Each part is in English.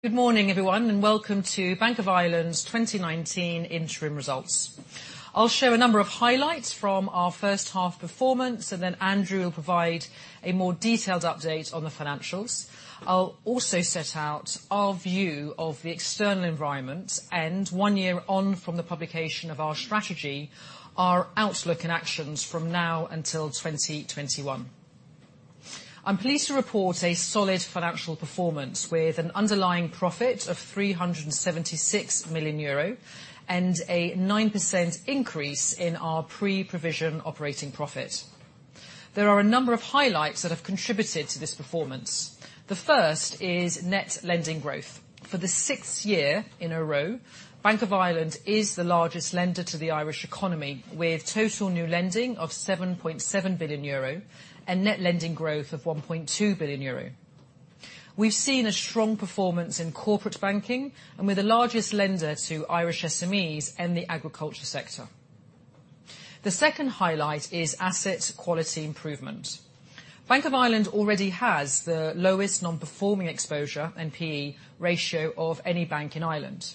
Good morning, everyone, welcome to Bank of Ireland's 2019 interim results. I'll share a number of highlights from our first half performance, then Andrew will provide a more detailed update on the financials. I'll also set out our view of the external environment, one year on from the publication of our strategy, our outlook and actions from now until 2021. I'm pleased to report a solid financial performance with an underlying profit of 376 million euro and a 9% increase in our pre-provision operating profit. There are a number of highlights that have contributed to this performance. The first is net lending growth. For the sixth year in a row, Bank of Ireland is the largest lender to the Irish economy, with total new lending of 7.7 billion euro and net lending growth of 1.2 billion euro. We've seen a strong performance in corporate banking and we're the largest lender to Irish SMEs and the agriculture sector. The second highlight is asset quality improvement. Bank of Ireland already has the lowest non-performing exposure, NPE ratio, of any bank in Ireland.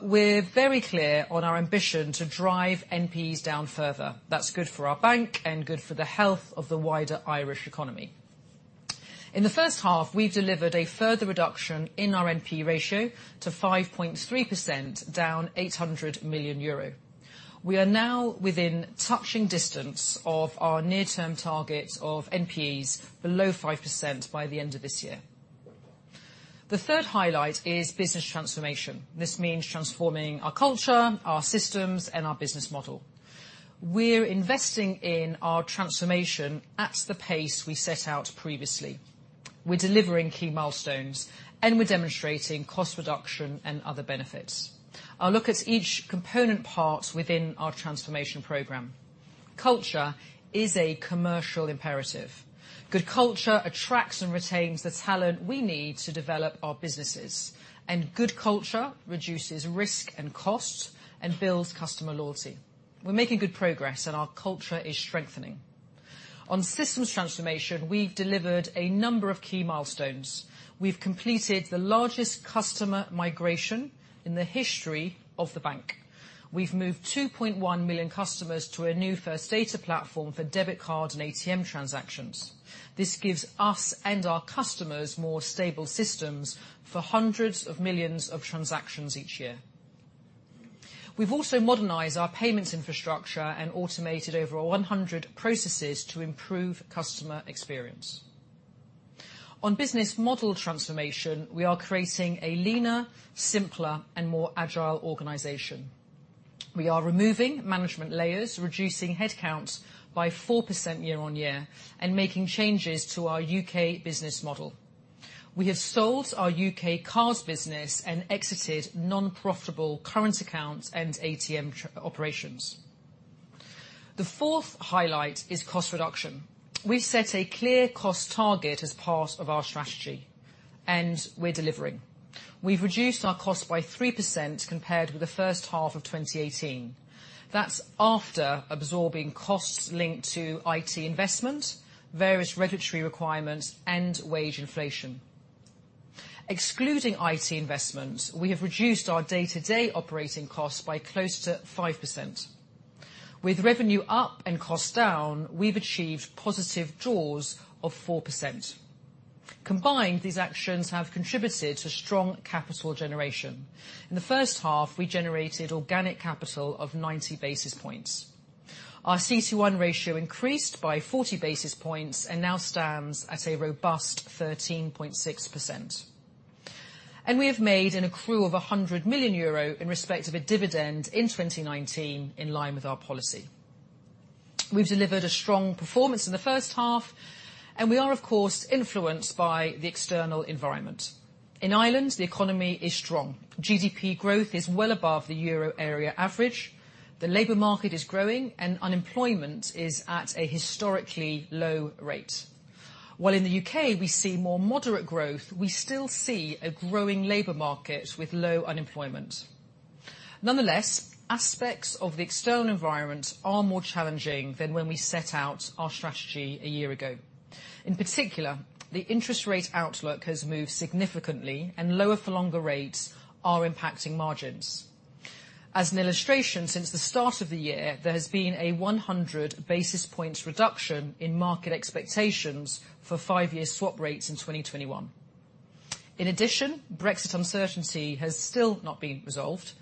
We're very clear on our ambition to drive NPEs down further. That's good for our bank and good for the health of the wider Irish economy. In the first half, we've delivered a further reduction in our NPE ratio to 5.3%, down 800 million euro. We are now within touching distance of our near-term target of NPEs below 5% by the end of this year. The third highlight is business transformation. This means transforming our culture, our systems, and our business model. We're investing in our transformation at the pace we set out previously. We're delivering key milestones, and we're demonstrating cost reduction and other benefits. I'll look at each component part within our transformation program. Culture is a commercial imperative. Good culture attracts and retains the talent we need to develop our businesses. Good culture reduces risk and cost and builds customer loyalty. We're making good progress and our culture is strengthening. On systems transformation, we've delivered a number of key milestones. We've completed the largest customer migration in the history of the bank. We've moved 2.1 million customers to a new First Data platform for debit card and ATM transactions. This gives us and our customers more stable systems for hundreds of millions of transactions each year. We've also modernized our payments infrastructure and automated over 100 processes to improve customer experience. On business model transformation, we are creating a leaner, simpler, and more agile organization. We are removing management layers, reducing headcounts by 4% year-on-year, and making changes to our U.K. business model. We have sold our U.K. cards business and exited non-profitable current accounts and ATM operations. The fourth highlight is cost reduction. We've set a clear cost target as part of our strategy, and we're delivering. We've reduced our cost by 3% compared with the first half of 2018. That's after absorbing costs linked to IT investment, various regulatory requirements, and wage inflation. Excluding IT investment, we have reduced our day-to-day operating costs by close to 5%. With revenue up and costs down, we've achieved positive jaws of 4%. Combined, these actions have contributed to strong capital generation. In the first half, we generated organic capital of 90 basis points. Our CET1 ratio increased by 40 basis points and now stands at a robust 13.6%. We have made an accrual of 100 million euro in respect of a dividend in 2019, in line with our policy. We've delivered a strong performance in the first half, we are, of course, influenced by the external environment. In Ireland, the economy is strong. GDP growth is well above the Euro area average. The labor market is growing, unemployment is at a historically low rate. While in the U.K., we see more moderate growth, we still see a growing labor market with low unemployment. Nonetheless, aspects of the external environment are more challenging than when we set out our strategy a year ago. In particular, the interest rate outlook has moved significantly, lower for longer rates are impacting margins. As an illustration, since the start of the year, there has been a 100 basis points reduction in market expectations for five-year swap rates in 2021. Brexit uncertainty has still not been resolved.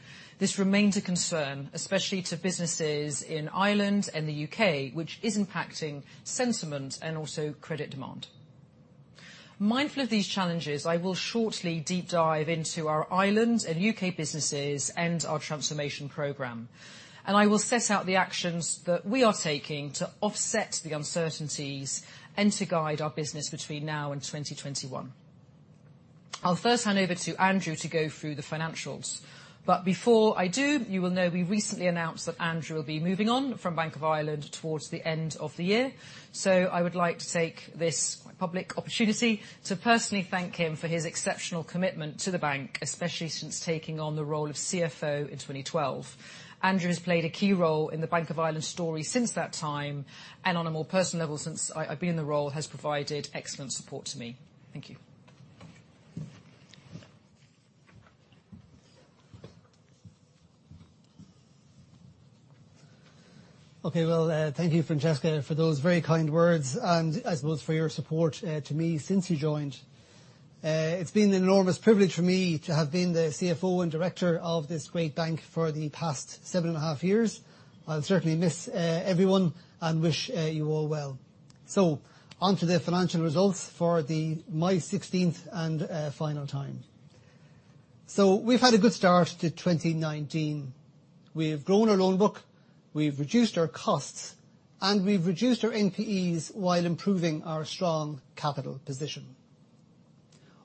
This remains a concern, especially to businesses in Ireland and the U.K., which is impacting sentiment and also credit demand. Mindful of these challenges, I will shortly deep dive into our Ireland and U.K. businesses and our transformation program. I will set out the actions that we are taking to offset the uncertainties and to guide our business between now and 2021. I'll first hand over to Andrew to go through the financials. Before I do, you will know we recently announced that Andrew will be moving on from Bank of Ireland towards the end of the year. I would like to take this public opportunity to personally thank him for his exceptional commitment to the bank, especially since taking on the role of CFO in 2012. Andrew has played a key role in the Bank of Ireland story since that time, and on a more personal level, since I've been in the role, has provided excellent support to me. Thank you. Okay. Thank you, Francesca, for those very kind words, and I suppose for your support to me since you joined. It's been an enormous privilege for me to have been the CFO and director of this great bank for the past 7.5 years. I'll certainly miss everyone and wish you all well. On to the financial results for the, my 16th and final time. We've had a good start to 2019. We've grown our loan book, we've reduced our costs, and we've reduced our NPEs while improving our strong capital position.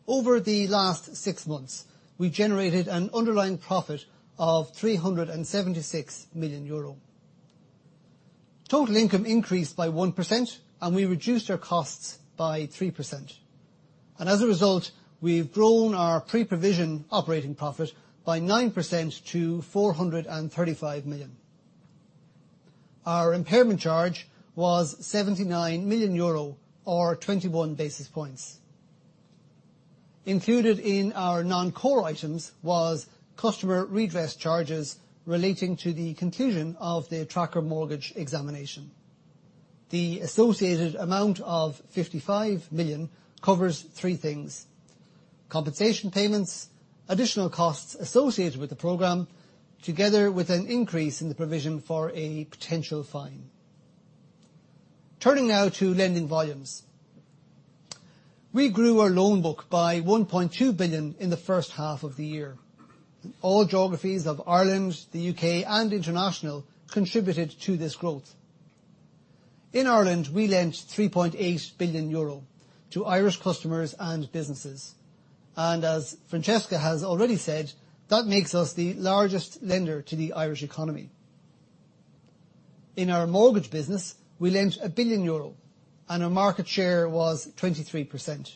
Over the last six months, we generated an underlying profit of 376 million euro. Total income increased by 1%, and we reduced our costs by 3%. As a result, we've grown our pre-provision operating profit by 9% to 435 million. Our impairment charge was 79 million euro, or 21 basis points. Included in our non-core items was customer redress charges relating to the conclusion of the Tracker Mortgage Examination. The associated amount of 55 million covers three things: compensation payments, additional costs associated with the program, together with an increase in the provision for a potential fine. Turning now to lending volumes. We grew our loan book by 1.2 billion in the first half of the year. All geographies of Ireland, the U.K., and international contributed to this growth. In Ireland, we lent 3.8 billion euro to Irish customers and businesses. As Francesca has already said, that makes us the largest lender to the Irish economy. In our mortgage business, we lent 1 billion euro, and our market share was 23%.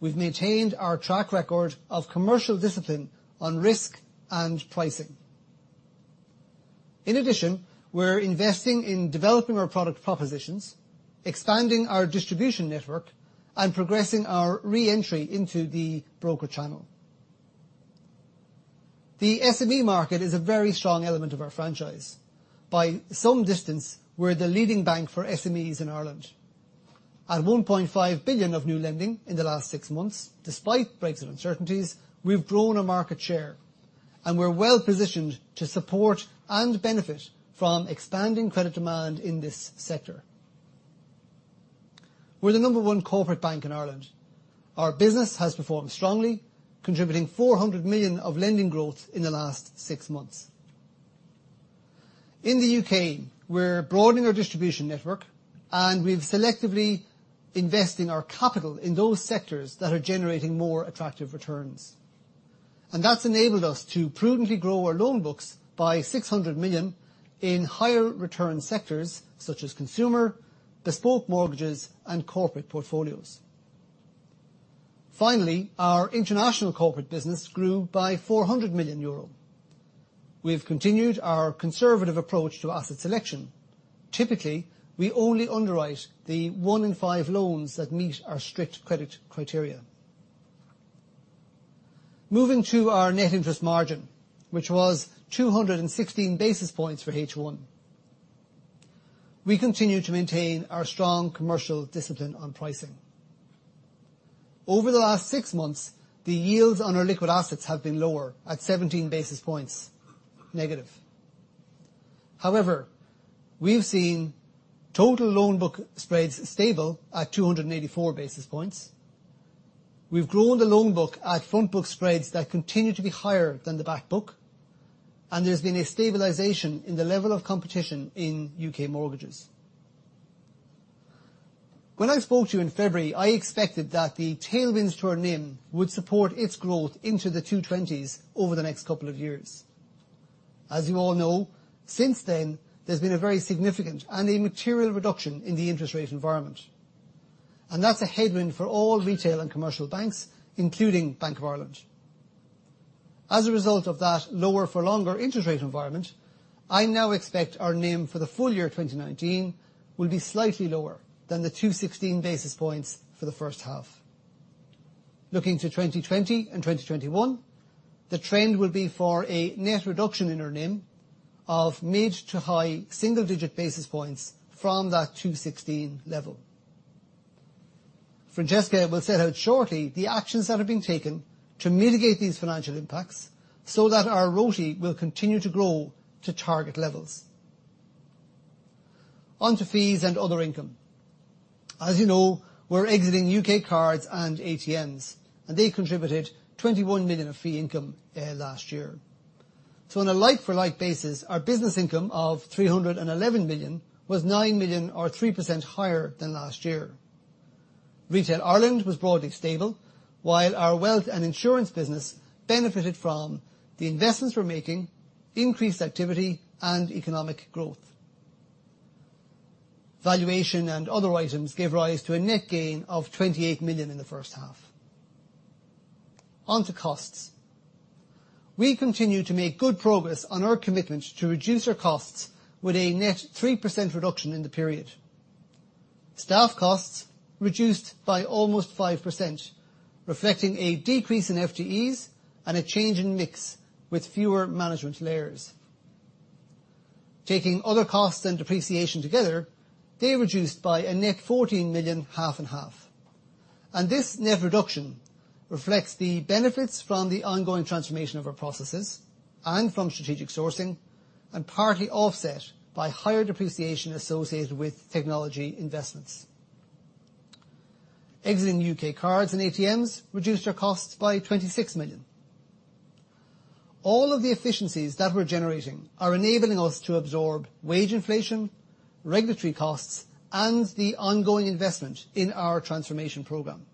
We've maintained our track record of commercial discipline on risk and pricing. In addition, we're investing in developing our product propositions, expanding our distribution network, and progressing our re-entry into the broker channel. The SME market is a very strong element of our franchise. By some distance, we're the leading bank for SMEs in Ireland. At 1.5 billion of new lending in the last six months, despite Brexit uncertainties, we've grown our market share, and we're well-positioned to support and benefit from expanding credit demand in this sector. We're the number one corporate bank in Ireland. Our business has performed strongly, contributing 400 million of lending growth in the last six months. In the U.K., we're broadening our distribution network, and we've selectively investing our capital in those sectors that are generating more attractive returns. That's enabled us to prudently grow our loan books by 600 million in higher return sectors such as consumer, bespoke mortgages, and corporate portfolios. Finally, our international corporate business grew by 400 million euro. We have continued our conservative approach to asset selection. Typically, we only underwrite the one in five loans that meet our strict credit criteria. Moving to our net interest margin, which was 216 basis points for H1. We continue to maintain our strong commercial discipline on pricing. Over the last six months, the yields on our liquid assets have been lower, at 17 basis points, negative. However, we've seen total loan book spreads stable at 284 basis points. We've grown the loan book at front book spreads that continue to be higher than the back book, and there's been a stabilization in the level of competition in U.K. mortgages. When I spoke to you in February, I expected that the tailwinds to our NIM would support its growth into the 220s over the next couple of years. As you all know, since then, there's been a very significant and a material reduction in the interest rate environment, that's a headwind for all retail and commercial banks, including Bank of Ireland. As a result of that lower for longer interest rate environment, I now expect our NIM for the full year 2019 will be slightly lower than the 216 basis points for the first half. Looking to 2020 and 2021, the trend will be for a net reduction in our NIM of mid to high single digit basis points from that 216 level. Francesca will set out shortly the actions that are being taken to mitigate these financial impacts so that our ROTE will continue to grow to target levels. Onto fees and other income. As you know, we're exiting U.K. cards and ATMs, and they contributed 21 million of fee income last year. On a like-for-like basis, our business income of 311 million was 9 million, or 3% higher than last year. Retail Ireland was broadly stable, while our wealth and insurance business benefited from the investments we're making, increased activity, and economic growth. Valuation and other items gave rise to a net gain of 28 million in the first half. On to costs. We continue to make good progress on our commitment to reduce our costs with a net 3% reduction in the period. Staff costs reduced by almost 5%, reflecting a decrease in FTEs and a change in mix, with fewer management layers. Taking other costs and depreciation together, they reduced by a net 14 million half-on-half. This net reduction reflects the benefits from the ongoing transformation of our processes and from strategic sourcing, and partly offset by higher depreciation associated with technology investments. Exiting U.K. cards and ATMs reduced our costs by 26 million. All of the efficiencies that we're generating are enabling us to absorb wage inflation, regulatory costs, and the ongoing investment in our transformation program.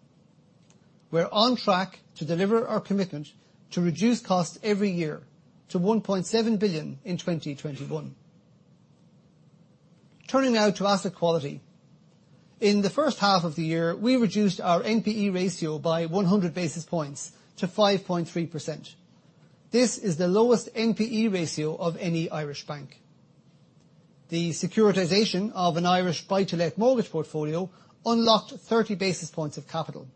We're on track to deliver our commitment to reduce costs every year to 1.7 billion in 2021. Turning now to asset quality. In the first half of the year, we reduced our NPE ratio by 100 basis points to 5.3%. This is the lowest NPE ratio of any Irish bank. The securitization of an Irish buy-to-let mortgage portfolio unlocked 30 basis points of capital.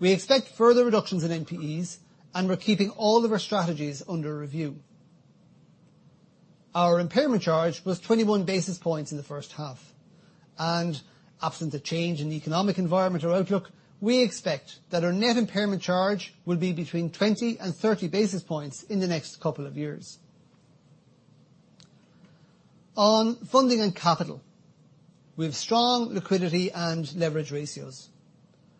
We expect further reductions in NPEs, and we're keeping all of our strategies under review. Our impairment charge was 21 basis points in the first half, and absent a change in the economic environment or outlook, we expect that our net impairment charge will be between 20 and 30 basis points in the next couple of years. On funding and capital, we have strong liquidity and leverage ratios.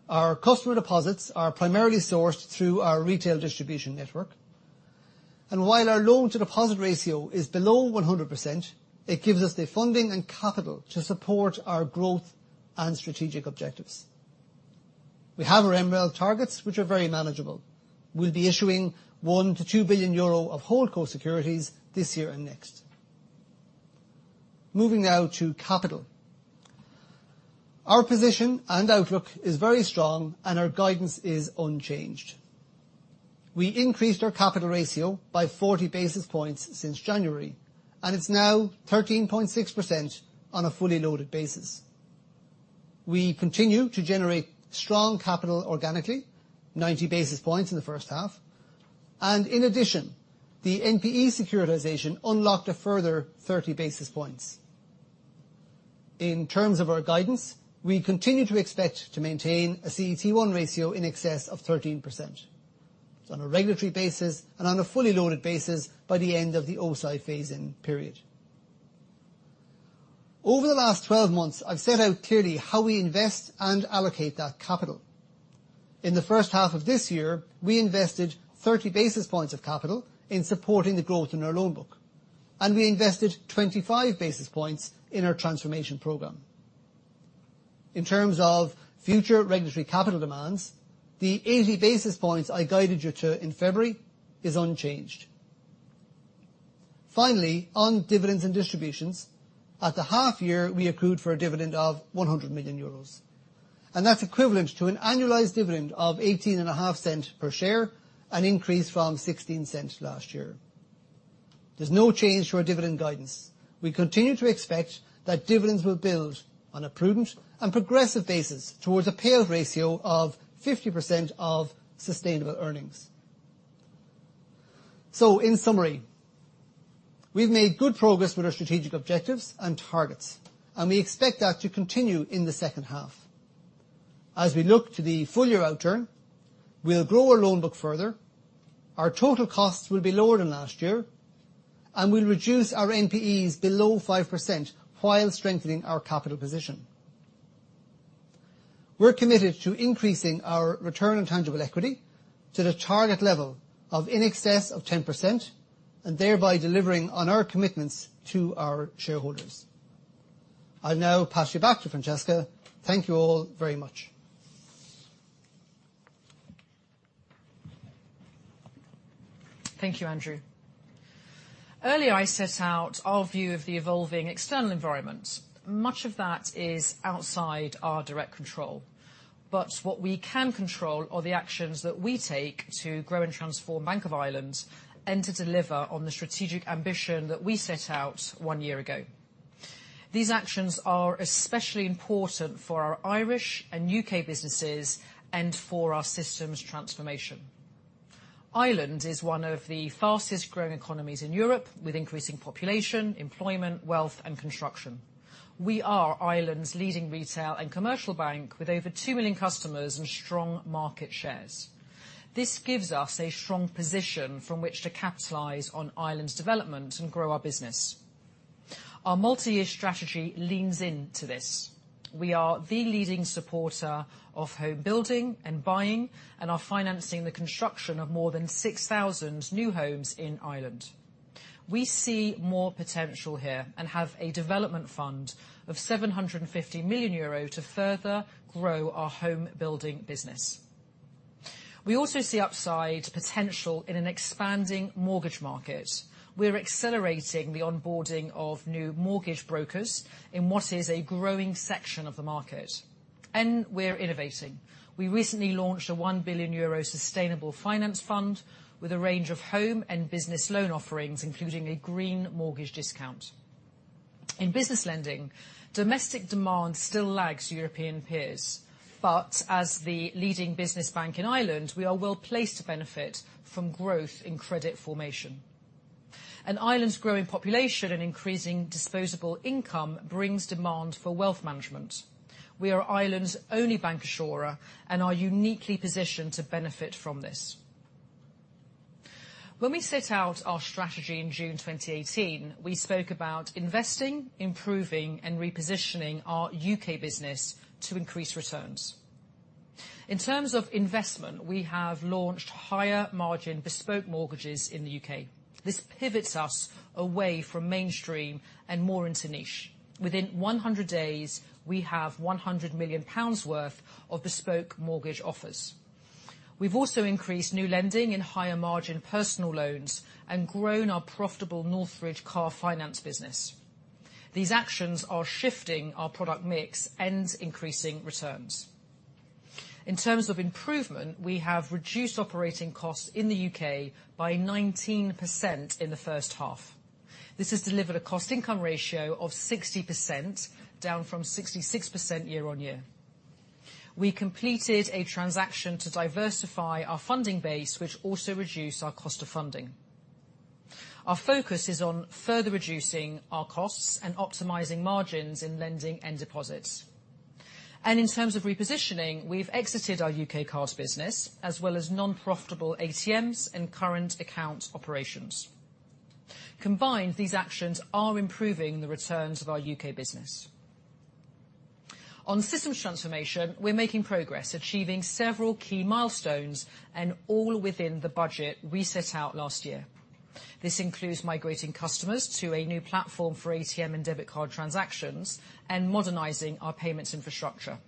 Our customer deposits are primarily sourced through our retail distribution network, and while our loan-to-deposit ratio is below 100%, it gives us the funding and capital to support our growth and strategic objectives. We have our MREL targets, which are very manageable. We'll be issuing 1 billion-2 billion euro of holdco securities this year and next. Moving now to capital. Our position and outlook is very strong and our guidance is unchanged. We increased our capital ratio by 40 basis points since January, and it's now 13.6% on a fully loaded basis. We continue to generate strong capital organically, 90 basis points in the first half, and in addition, the NPE securitization unlocked a further 30 basis points. In terms of our guidance, we continue to expect to maintain a CET1 ratio in excess of 13%. It's on a regulatory basis and on a fully loaded basis by the end of the O-SII phase-in period. Over the last 12 months, I've set out clearly how we invest and allocate that capital. In the first half of this year, we invested 30 basis points of capital in supporting the growth in our loan book, and we invested 25 basis points in our transformation program. In terms of future regulatory capital demands, the 80 basis points I guided you to in February is unchanged. Finally, on dividends and distributions, at the half year, we accrued for a dividend of 100 million euros, and that's equivalent to an annualized dividend of 0.185 per share, an increase from 0.16 last year. There's no change to our dividend guidance. We continue to expect that dividends will build on a prudent and progressive basis towards a payout ratio of 50% of sustainable earnings. In summary, we've made good progress with our strategic objectives and targets, and we expect that to continue in the second half. As we look to the full-year outturn, we'll grow our loan book further, our total costs will be lower than last year, and we'll reduce our NPEs below 5% while strengthening our capital position. We're committed to increasing our return on tangible equity to the target level of in excess of 10%, and thereby delivering on our commitments to our shareholders. I'll now pass you back to Francesca. Thank you all very much. Thank you, Andrew. Earlier, I set out our view of the evolving external environment. Much of that is outside our direct control, but what we can control are the actions that we take to grow and transform Bank of Ireland and to deliver on the strategic ambition that we set out one year ago. These actions are especially important for our Irish and U.K. businesses and for our systems transformation. Ireland is one of the fastest growing economies in Europe, with increasing population, employment, wealth, and construction. We are Ireland's leading retail and commercial bank, with over 2 million customers and strong market shares. This gives us a strong position from which to capitalize on Ireland's development and grow our business. Our multi-year strategy leans into this. We are the leading supporter of home building and buying, and are financing the construction of more than 6,000 new homes in Ireland. We see more potential here and have a development fund of 750 million euro to further grow our home building business. We also see upside potential in an expanding mortgage market. We're accelerating the onboarding of new mortgage brokers in what is a growing section of the market. We're innovating. We recently launched a 1 billion euro sustainable finance fund with a range of home and business loan offerings, including a green mortgage discount. In business lending, domestic demand still lags European peers. As the leading business bank in Ireland, we are well placed to benefit from growth in credit formation. Ireland's growing population and increasing disposable income brings demand for wealth management. We are Ireland's only bancassurer and are uniquely positioned to benefit from this. When we set out our strategy in June 2018, we spoke about investing, improving, and repositioning our U.K. business to increase returns. In terms of investment, we have launched higher margin bespoke mortgages in the U.K. This pivots us away from mainstream and more into niche. Within 100 days, we have 100 million pounds worth of bespoke mortgage offers. We've also increased new lending in higher margin personal loans and grown our profitable Northridge car finance business. These actions are shifting our product mix and increasing returns. In terms of improvement, we have reduced operating costs in the U.K. by 19% in the first half. This has delivered a cost income ratio of 60%, down from 66% year-over-year. We completed a transaction to diversify our funding base, which also reduced our cost of funding. Our focus is on further reducing our costs and optimizing margins in lending and deposits. In terms of repositioning, we've exited our U.K. cards business as well as non-profitable ATMs and current account operations. Combined, these actions are improving the returns of our U.K. business. On systems transformation, we're making progress, achieving several key milestones and all within the budget we set out last year. This includes migrating customers to a new platform for ATM and debit card transactions and modernizing our payments infrastructure.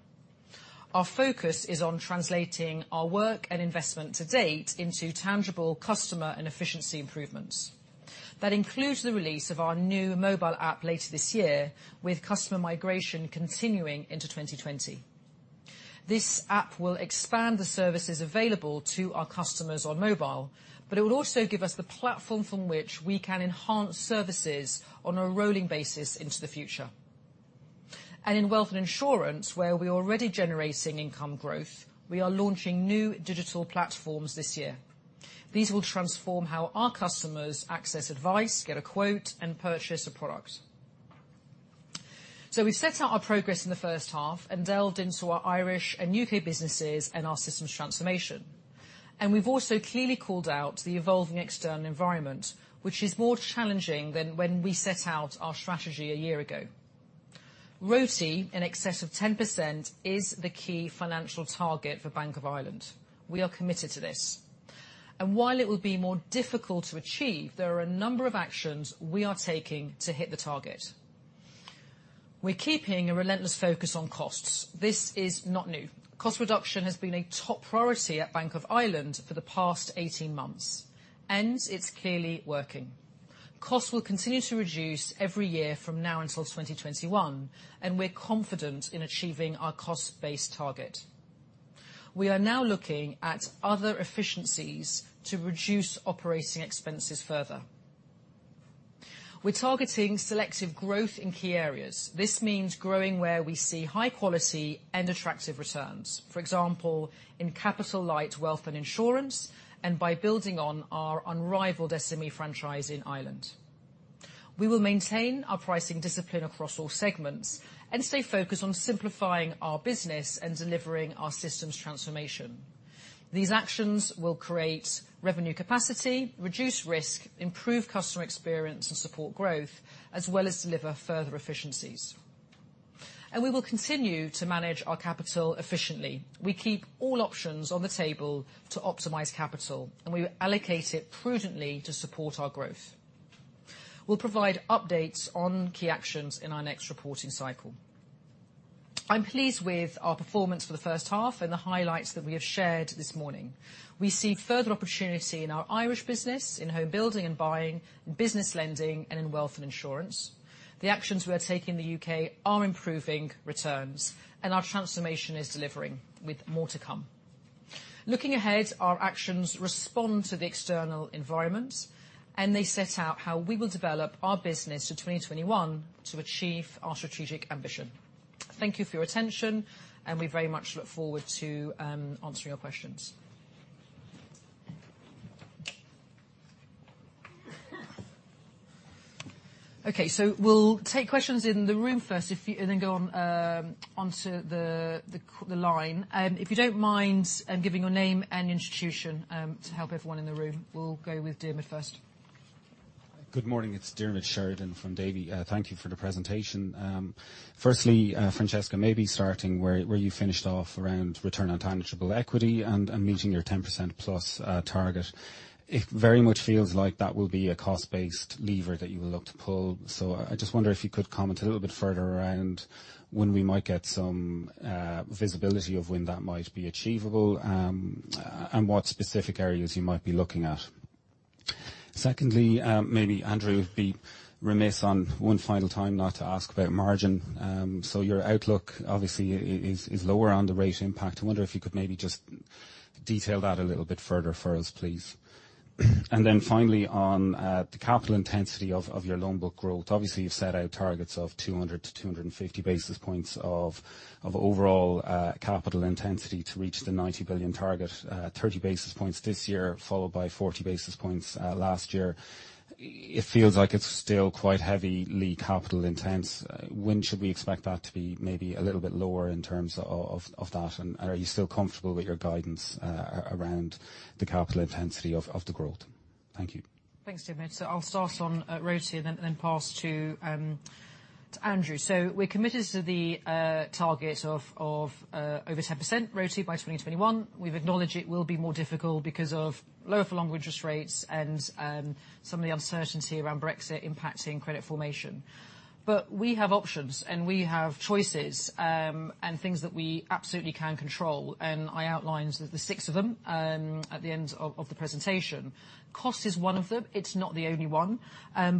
Our focus is on translating our work and investment to date into tangible customer and efficiency improvements. That includes the release of our new mobile app later this year, with customer migration continuing into 2020. This app will expand the services available to our customers on mobile, it will also give us the platform from which we can enhance services on a rolling basis into the future. In wealth and insurance, where we're already generating income growth, we are launching new digital platforms this year. These will transform how our customers access advice, get a quote, and purchase a product. We've set out our progress in the first half and delved into our Irish and U.K. businesses and our systems transformation. We've also clearly called out the evolving external environment, which is more challenging than when we set out our strategy a year ago. ROTE in excess of 10% is the key financial target for Bank of Ireland. We are committed to this. While it will be more difficult to achieve, there are a number of actions we are taking to hit the target. We're keeping a relentless focus on costs. This is not new. Cost reduction has been a top priority at Bank of Ireland for the past 18 months. It's clearly working. Costs will continue to reduce every year from now until 2021, and we're confident in achieving our cost-based target. We are now looking at other efficiencies to reduce operating expenses further. We're targeting selective growth in key areas. This means growing where we see high quality and attractive returns. For example, in capital light wealth and insurance, and by building on our unrivaled SME franchise in Ireland. We will maintain our pricing discipline across all segments and stay focused on simplifying our business and delivering our systems transformation. These actions will create revenue capacity, reduce risk, improve customer experience, and support growth, as well as deliver further efficiencies. We will continue to manage our capital efficiently. We keep all options on the table to optimize capital, and we allocate it prudently to support our growth. We'll provide updates on key actions in our next reporting cycle. I'm pleased with our performance for the first half and the highlights that we have shared this morning. We see further opportunity in our Irish business, in home building and buying, in business lending, and in wealth and insurance. The actions we are taking in the U.K. are improving returns, and our transformation is delivering, with more to come. Looking ahead, our actions respond to the external environment, and they set out how we will develop our business to 2021 to achieve our strategic ambition. Thank you for your attention, and we very much look forward to answering your questions. Okay, we'll take questions in the room first and then go onto the line. If you don't mind giving your name and institution to help everyone in the room. We'll go with Diarmaid first. Good morning. It's Diarmaid Sheridan from Davy. Thank you for the presentation. Francesca, maybe starting where you finished off around return on tangible equity and meeting your 10%+ target. It very much feels like that will be a cost-based lever that you will look to pull. I just wonder if you could comment a little bit further around when we might get some visibility of when that might be achievable, and what specific areas you might be looking at. Maybe Andrew would be remiss on one final time not to ask about margin. Your outlook obviously is lower on the rate impact. I wonder if you could maybe just detail that a little bit further for us, please. Finally, on the capital intensity of your loan book growth. Obviously, you've set out targets of 200-250 basis points of overall capital intensity to reach the 90 billion target. 30 basis points this year, followed by 40 basis points last year. It feels like it's still quite heavily capital intense. When should we expect that to be maybe a little bit lower in terms of that? And are you still comfortable with your guidance around the capital intensity of the growth? Thank you. Thanks, Diarmaid. I'll start on ROTE and then pass to Andrew. We're committed to the target of over 10% ROTE by 2021. We've acknowledged it will be more difficult because of lower for longer interest rates and some of the uncertainty around Brexit impacting credit formation. We have options, and we have choices, and things that we absolutely can control. I outlined the six of them at the end of the presentation. Cost is one of them. It's not the only one.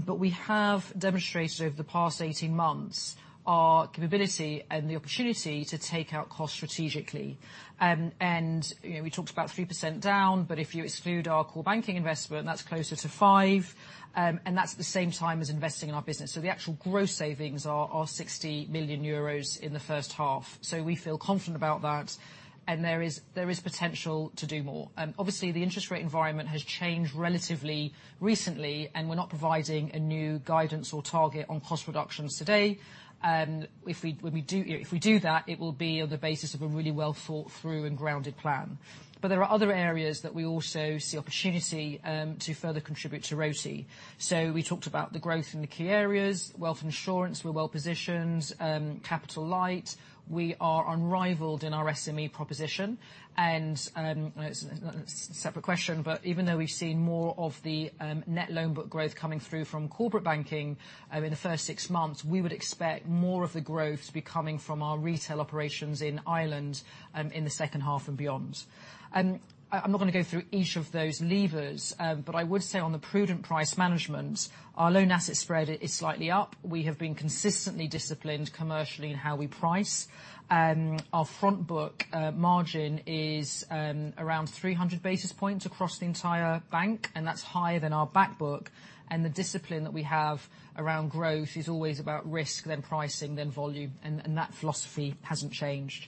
We have demonstrated over the past 18 months our capability and the opportunity to take out cost strategically. We talked about 3% down, but if you exclude our core banking investment, that's closer to 5%, and that's the same time as investing in our business. The actual gross savings are 60 million euros in the first half. We feel confident about that. There is potential to do more. Obviously, the interest rate environment has changed relatively recently, and we're not providing a new guidance or target on cost reductions today. If we do that, it will be on the basis of a really well thought through and grounded plan. There are other areas that we also see opportunity to further contribute to ROTE. We talked about the growth in the key areas. Wealth and insurance, we're well positioned. Capital light, we are unrivaled in our SME proposition. It's a separate question, even though we've seen more of the net loan book growth coming through from corporate banking over the first six months, we would expect more of the growth to be coming from our Retail Ireland operations in the second half and beyond. I'm not going to go through each of those levers. I would say on the prudent price management, our loan asset spread is slightly up. We have been consistently disciplined commercially in how we price. Our front book margin is around 300 basis points across the entire bank, and that's higher than our back book. The discipline that we have around growth is always about risk, then pricing, then volume, and that philosophy hasn't changed.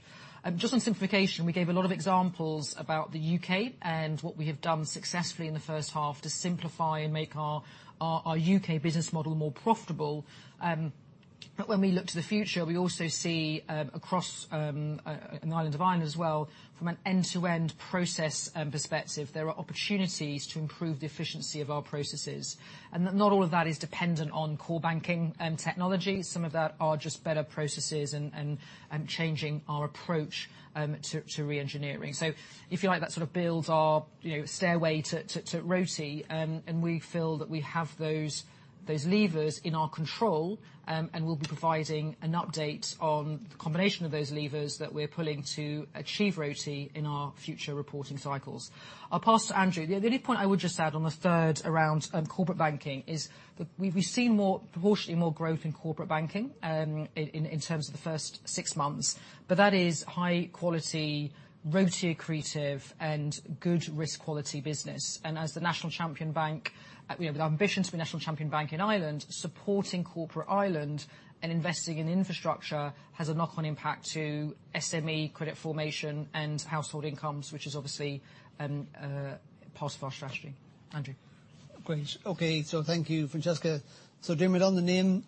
Just on simplification, we gave a lot of examples about the U.K. and what we have done successfully in the first half to simplify and make our U.K. business model more profitable. When we look to the future, we also see across, in Retail Ireland as well, from an end-to-end process perspective, there are opportunities to improve the efficiency of our processes. Not all of that is dependent on core banking technology. Some of that are just better processes and changing our approach to re-engineering. If you like, that sort of builds our stairway to ROTE, and we feel that we have those levers in our control, and we'll be providing an update on the combination of those levers that we're pulling to achieve ROTE in our future reporting cycles. I'll pass to Andrew. The only point I would just add on the third around corporate banking is we've seen proportionally more growth in corporate banking in terms of the first six months. That is high quality, ROTE accretive, and good risk quality business. As the national champion bank with ambitions for national champion bank in Ireland, supporting Corporate Ireland and investing in infrastructure has a knock-on impact to SME credit formation and household incomes, which is obviously part of our strategy. Andrew. Great. Okay. Thank you, Francesca. Diarmaid, on the NIM,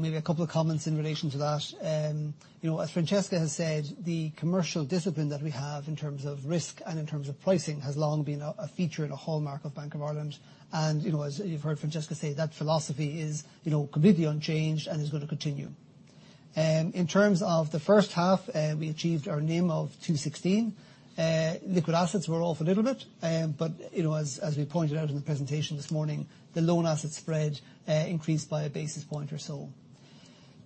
maybe a couple of comments in relation to that. As Francesca has said, the commercial discipline that we have in terms of risk and in terms of pricing has long been a feature and a hallmark of Bank of Ireland. As you've heard Francesca say, that philosophy is completely unchanged and is going to continue. In terms of the first half, we achieved our NIM of 2.16%. Liquid assets were off a little bit. As we pointed out in the presentation this morning, the loan asset spread increased by a basis point or so.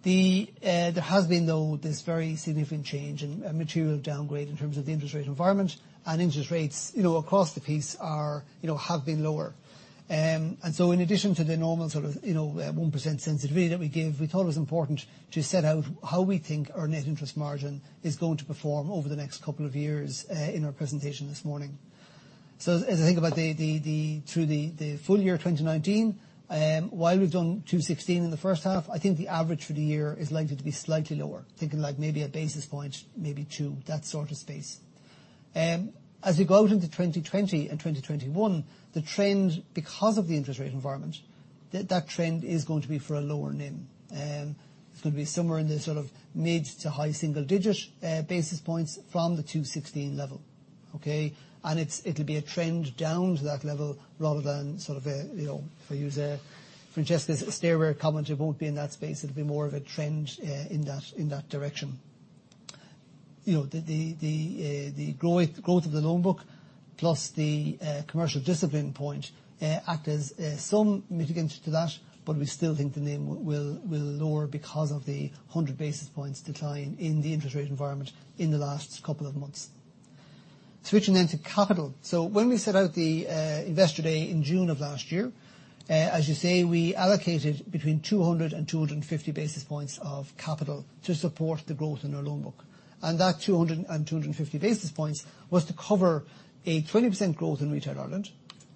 There has been, though, this very significant change and material downgrade in terms of the interest rate environment, interest rates across the piece have been lower. In addition to the normal sort of 1% sensitivity that we give, we thought it was important to set out how we think our net interest margin is going to perform over the next couple of years in our presentation this morning. As I think about through the full year 2019, while we've done 2.16% in the first half, I think the average for the year is likely to be slightly lower. Thinking like maybe 1 basis point, maybe 2 basis points, that sort of space. As we go out into 2020 and 2021, the trend, because of the interest rate environment, that trend is going to be for a lower NIM. It's going to be somewhere in the sort of mid to high single digit basis points from the 2.16% level. Okay? It'll be a trend down to that level rather than sort of a, if I use Francesca's stairway comment, it won't be in that space. It'll be more of a trend in that direction. The growth of the loan book plus the commercial discipline point act as some mitigance to that, but we still think the NIM will lower because of the 100 basis points decline in the interest rate environment in the last couple of months. Switching to capital. When we set out the investor day in June of last year, as you say, we allocated between 200 and 250 basis points of capital to support the growth in our loan book. That 200 and 250 basis points was to cover a 20% growth in Retail Ireland,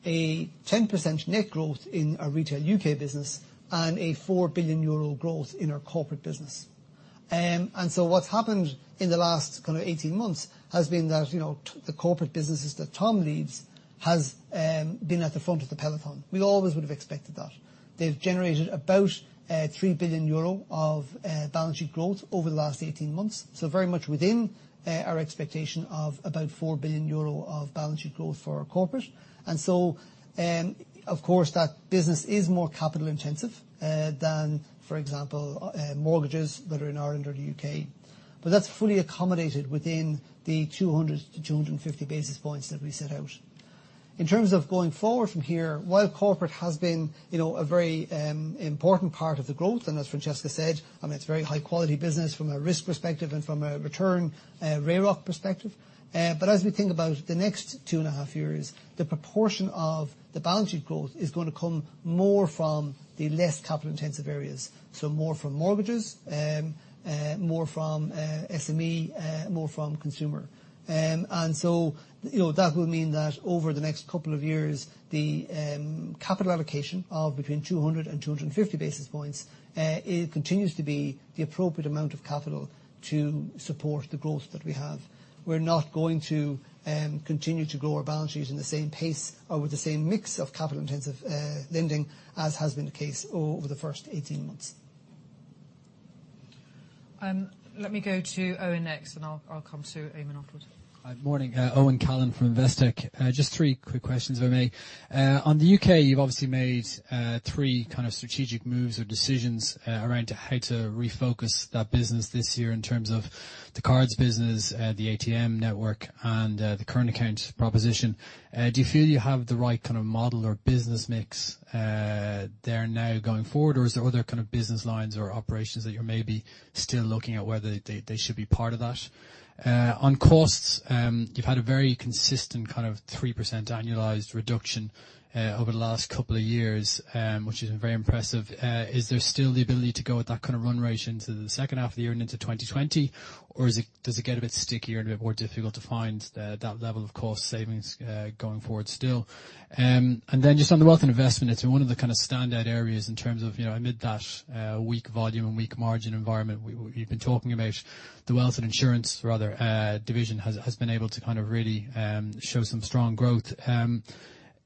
a 10% net growth in our Retail U.K. business, and a 4 billion euro growth in our corporate business. What's happened in the last kind of 18 months has been that the corporate businesses that Tom leads has been at the front of the peloton. We always would have expected that. They've generated about 3 billion euro of balance sheet growth over the last 18 months, so very much within our expectation of about 4 billion euro of balance sheet growth for our Corporate. Of course, that business is more capital intensive than, for example, mortgages that are in Ireland or the U.K. That's fully accommodated within the 200-250 basis points that we set out. In terms of going forward from here, while Corporate has been a very important part of the growth, and as Francesca said, it's a very high quality business from a risk perspective and from a return, ROE perspective. As we think about the next two and a half years, the proportion of the balance sheet growth is going to come more from the less capital intensive areas. More from mortgages, more from SME, more from consumer. That will mean that over the next couple of years, the capital allocation of between 200 and 250 basis points, it continues to be the appropriate amount of capital to support the growth that we have. We're not going to continue to grow our balance sheet in the same pace or with the same mix of capital intensive lending as has been the case over the first 18 months. Let me go to Owen next, and I'll come to Eamonn afterward. Morning. Owen Callan from Investec. Just three quick questions, if I may. On the U.K., you've obviously made three strategic moves or decisions around how to refocus that business this year in terms of the cards business, the ATM network, and the current account proposition. Do you feel you have the right kind of model or business mix there now going forward, or is there other kind of business lines or operations that you're maybe still looking at whether they should be part of that? On costs, you've had a very consistent kind of 3% annualized reduction over the last couple of years, which is very impressive. Is there still the ability to go at that kind of run rate into the second half of the year and into 2020, or does it get a bit stickier and a bit more difficult to find that level of cost savings going forward still? Just on the wealth and investment, it's been one of the standout areas in terms of amid that weak volume and weak margin environment, you've been talking about the wealth and insurance, rather, division has been able to really show some strong growth.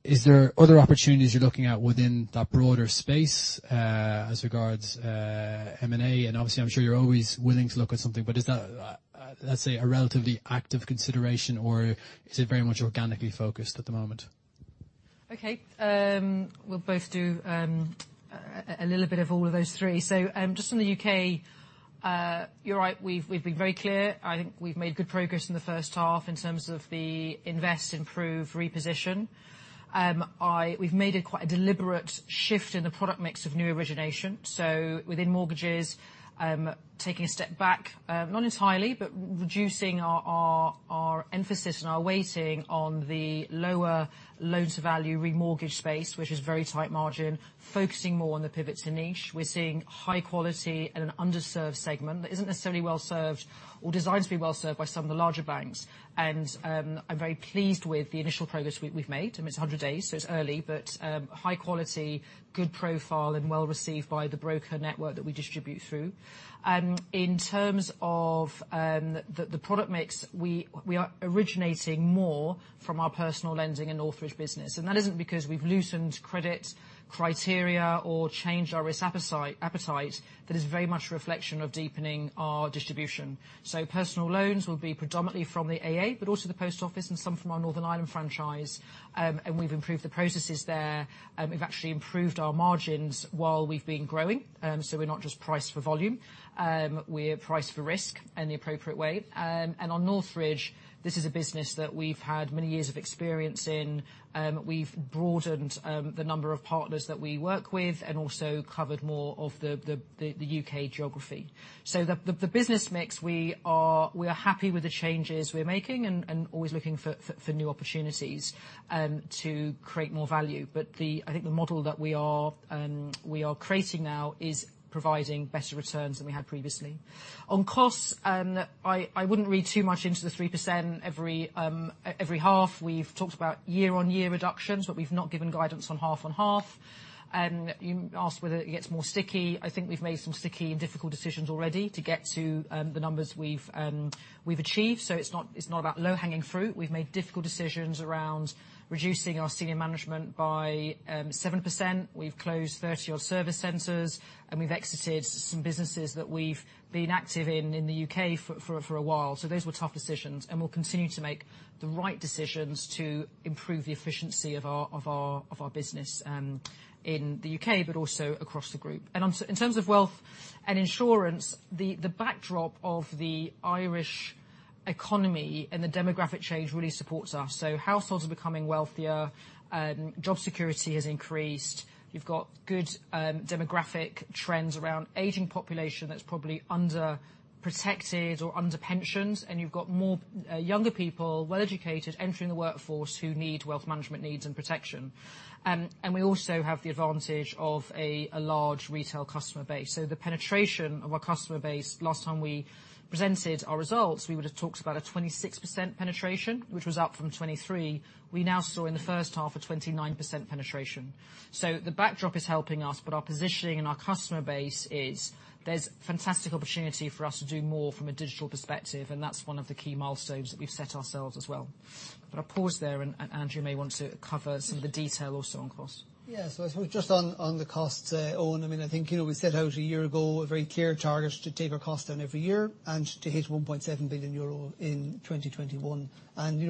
Is there other opportunities you're looking at within that broader space as regards M&A? Obviously, I'm sure you're always willing to look at something, but is that, let's say, a relatively active consideration, or is it very much organically focused at the moment? Okay. We'll both do a little bit of all of those three. Just on the U.K., you're right, we've been very clear. I think we've made good progress in the first half in terms of the invest, improve, reposition. We've made a quite deliberate shift in the product mix of new origination. Within mortgages, taking a step back, not entirely, but reducing our emphasis and our weighting on the lower loans value remortgage space, which is very tight margin, focusing more on the pivot to niche. We're seeing high quality at an underserved segment that isn't necessarily well served or designed to be well served by some of the larger banks. I'm very pleased with the initial progress we've made. I mean, it's 100 days, so it's early, but high quality, good profile, and well received by the broker network that we distribute through. In terms of the product mix, we are originating more from our personal lending and Northridge business. That isn't because we've loosened credit criteria or changed our risk appetite. That is very much a reflection of deepening our distribution. Personal loans will be predominantly from the AA, but also the Post Office and some from our Northern Ireland franchise, and we've improved the processes there. We've actually improved our margins while we've been growing. We're not just priced for volume. We're priced for risk in the appropriate way. On Northridge, this is a business that we've had many years of experience in. We've broadened the number of partners that we work with and also covered more of the U.K. geography. The business mix, we are happy with the changes we're making and always looking for new opportunities to create more value. I think the model that we are creating now is providing better returns than we had previously. On costs, I wouldn't read too much into the 3% every half. We've talked about year-on-year reductions, but we've not given guidance on half-on-half. You asked whether it gets more sticky. I think we've made some sticky and difficult decisions already to get to the numbers we've achieved. It's not about low hanging fruit. We've made difficult decisions around reducing our senior management by 7%. We've closed 30 odd service centers, and we've exited some businesses that we've been active in in the U.K. for a while. Those were tough decisions, and we'll continue to make the right decisions to improve the efficiency of our business in the U.K., but also across the group. In terms of wealth and insurance, the backdrop of the Irish economy and the demographic change really supports us. Households are becoming wealthier, job security has increased. You've got good demographic trends around aging population that's probably under protected or under pensions, and you've got more younger people, well-educated, entering the workforce who need wealth management needs and protection. We also have the advantage of a large retail customer base. The penetration of our customer base, last time we presented our results, we would've talked about a 26% penetration, which was up from 23%. We now saw in the first half a 29% penetration. The backdrop is helping us, but our positioning and our customer base is, there's fantastic opportunity for us to do more from a digital perspective, and that's one of the key milestones that we've set ourselves as well. I'll pause there, and Andrew may want to cover some of the detail also on costs. Yeah. I suppose just on the costs, Owen, I think we set out a year ago a very clear target to take our cost down every year and to hit 1.7 billion euro in 2021.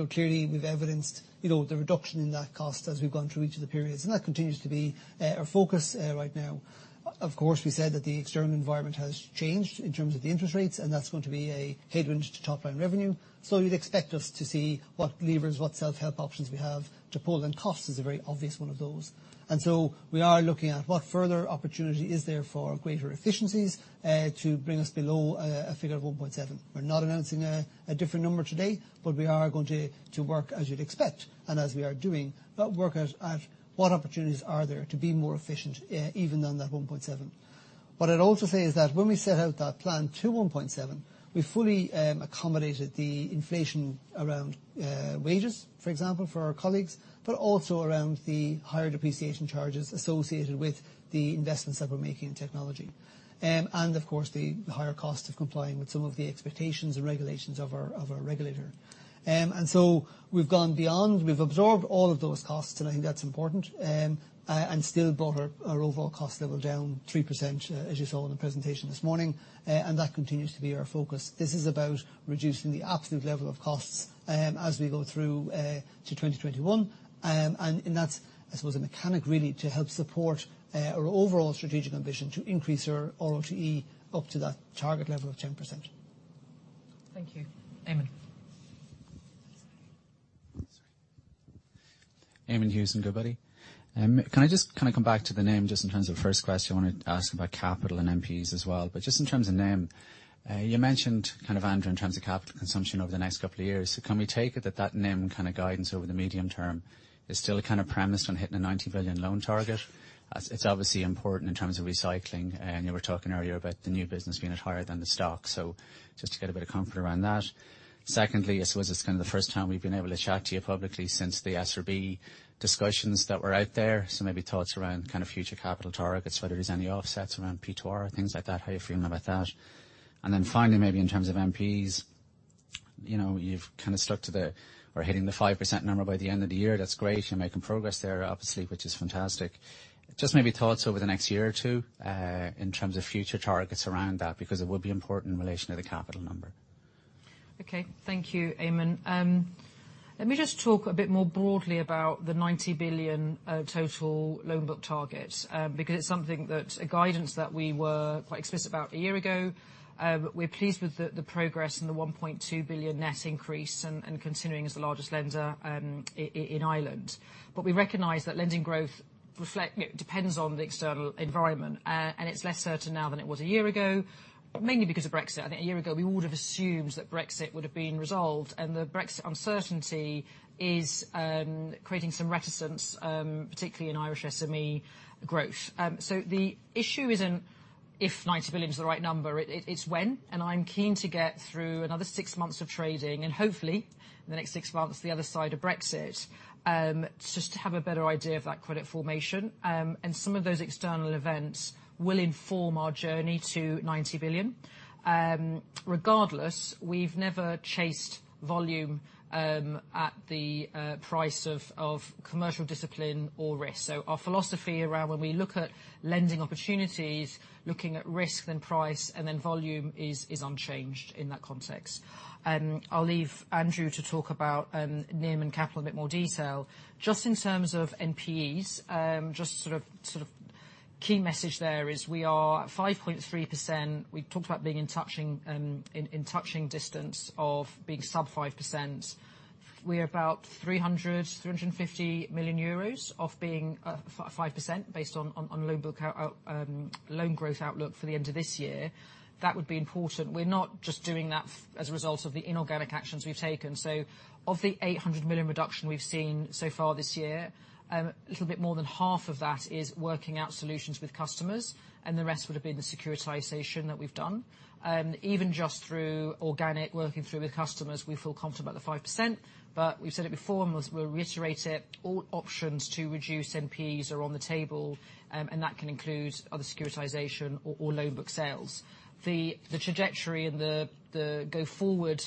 Clearly we've evidenced the reduction in that cost as we've gone through each of the periods. That continues to be our focus right now. Of course, we said that the external environment has changed in terms of the interest rates, that's going to be a headwind to top line revenue. You'd expect us to see what levers, what self-help options we have to pull, cost is a very obvious one of those. We are looking at what further opportunity is there for greater efficiencies to bring us below a figure of 1.7 billion. We're not announcing a different number today, but we are going to work, as you'd expect, and as we are doing, but work out what opportunities are there to be more efficient even than that 1.7 billion. What I'd also say is that when we set out that plan to 1.7 billion, we fully accommodated the inflation around wages, for example, for our colleagues, but also around the higher depreciation charges associated with the investments that we're making in technology. Of course, the higher cost of complying with some of the expectations and regulations of our regulator. We've gone beyond, we've absorbed all of those costs, and I think that's important. Still brought our overall cost level down 3%, as you saw in the presentation this morning. That continues to be our focus. This is about reducing the absolute level of costs as we go through to 2021. That's, I suppose, a mechanic really to help support our overall strategic ambition to increase our ROTE up to that target level of 10%. Thank you. Eamonn. Eamonn Hughes from Goodbody. Can I just come back to the NIM just in terms of first question I want to ask about capital and NPEs as well. Just in terms of NIM, you mentioned Andrew, in terms of capital consumption over the next couple of years. Can we take it that that NIM kind of guidance over the medium term is still kind of premised on hitting a 90 billion loan target? It is obviously important in terms of recycling, you were talking earlier about the new business being at higher than the stock. Just to get a bit of comfort around that. Secondly, I suppose it is kind of the first time we have been able to chat to you publicly since the SRB discussions that were out there. Maybe thoughts around future capital targets, whether there's any offsets around P2R, things like that, how you're feeling about that? Then finally, maybe in terms of NPEs, you've kind of stuck to the, or hitting the 5% number by the end of the year. That's great. You're making progress there, obviously, which is fantastic. Just maybe thoughts over the next year or two, in terms of future targets around that, because it will be important in relation to the capital number? Thank you, Eamonn. Let me just talk a bit more broadly about the 90 billion total loan book target, because it's something that a guidance that we were quite explicit about a year ago. We're pleased with the progress and the 1.2 billion net increase and continuing as the largest lender in Ireland. We recognize that lending growth depends on the external environment. It's less certain now than it was a year ago, mainly because of Brexit. I think a year ago we would've assumed that Brexit would've been resolved, and the Brexit uncertainty is creating some reticence, particularly in Irish SME growth. The issue isn't if 90 billion is the right number, it's when. I'm keen to get through another six months of trading, and hopefully in the next six months, the other side of Brexit, just to have a better idea of that credit formation. Some of those external events will inform our journey to 90 billion. Regardless, we've never chased volume at the price of commercial discipline or risk. Our philosophy around when we look at lending opportunities, looking at risk, then price, and then volume, is unchanged in that context. I'll leave Andrew to talk about NIM and capital in a bit more detail. In terms of NPEs, just sort of key message there is we are at 5.3%. We talked about being in touching distance of being sub 5%. We are about 300 million euros-EUR350 million of being 5% based on loan growth outlook for the end of this year. That would be important. We're not just doing that as a result of the inorganic actions we've taken. Of the 800 million reduction we've seen so far this year, a little bit more than half of that is working out solutions with customers, and the rest would've been the securitization that we've done. Even just through organic working through with customers, we feel comfortable at the 5%. We've said it before, and we'll reiterate it, all options to reduce NPEs are on the table. That can include other securitization or loan book sales. The trajectory and the go forward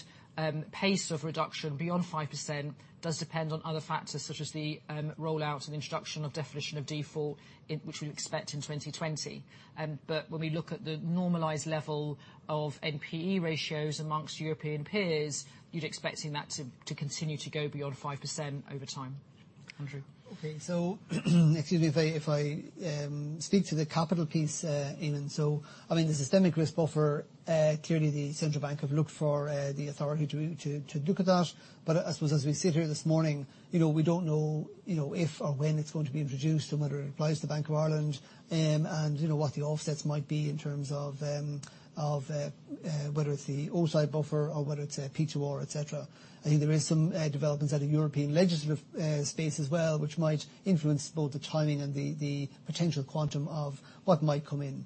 pace of reduction beyond 5% does depend on other factors such as the rollout and introduction of definition of default, which we expect in 2020. When we look at the normalized level of NPE ratios amongst European peers, you'd expect seeing that to continue to go beyond 5% over time. Andrew. Okay. Excuse me, if I speak to the capital piece, Eamonn. The systemic risk buffer, clearly the Central Bank have looked for the authority to look at that. I suppose as we sit here this morning, we don't know if or when it's going to be introduced, and whether it applies to Bank of Ireland, and what the offsets might be in terms of whether it's the O-SII buffer or whether it's a P2R, et cetera. I think there is some developments out of European legislative space as well, which might influence both the timing and the potential quantum of what might come in.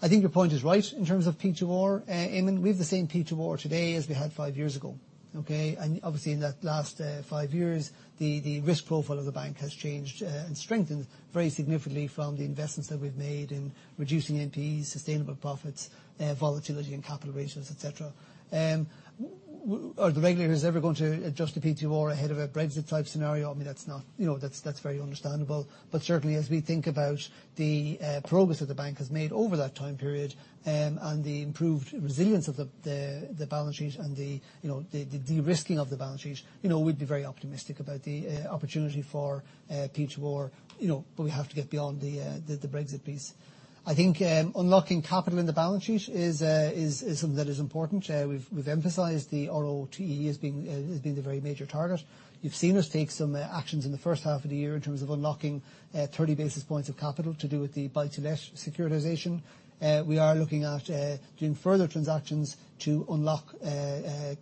I think your point is right in terms of P2R, Eamonn. We have the same P2R today as we had five years ago. Okay? Obviously in that last five years, the risk profile of the bank has changed and strengthened very significantly from the investments that we've made in reducing NPEs, sustainable profits, volatility and capital ratios, et cetera. Are the regulators ever going to adjust the P2R ahead of a Brexit type scenario? I mean, that's very understandable. Certainly as we think about the progress that the bank has made over that time period, and the improved resilience of the balance sheet and the de-risking of the balance sheet, we'd be very optimistic about the opportunity for P2R. We have to get beyond the Brexit piece. I think unlocking capital in the balance sheet is something that is important. We've emphasized the ROTE has been the very major target. You've seen us take some actions in the first half of the year in terms of unlocking 30 basis points of capital to do with the buy-to-let securitization. We are looking at doing further transactions to unlock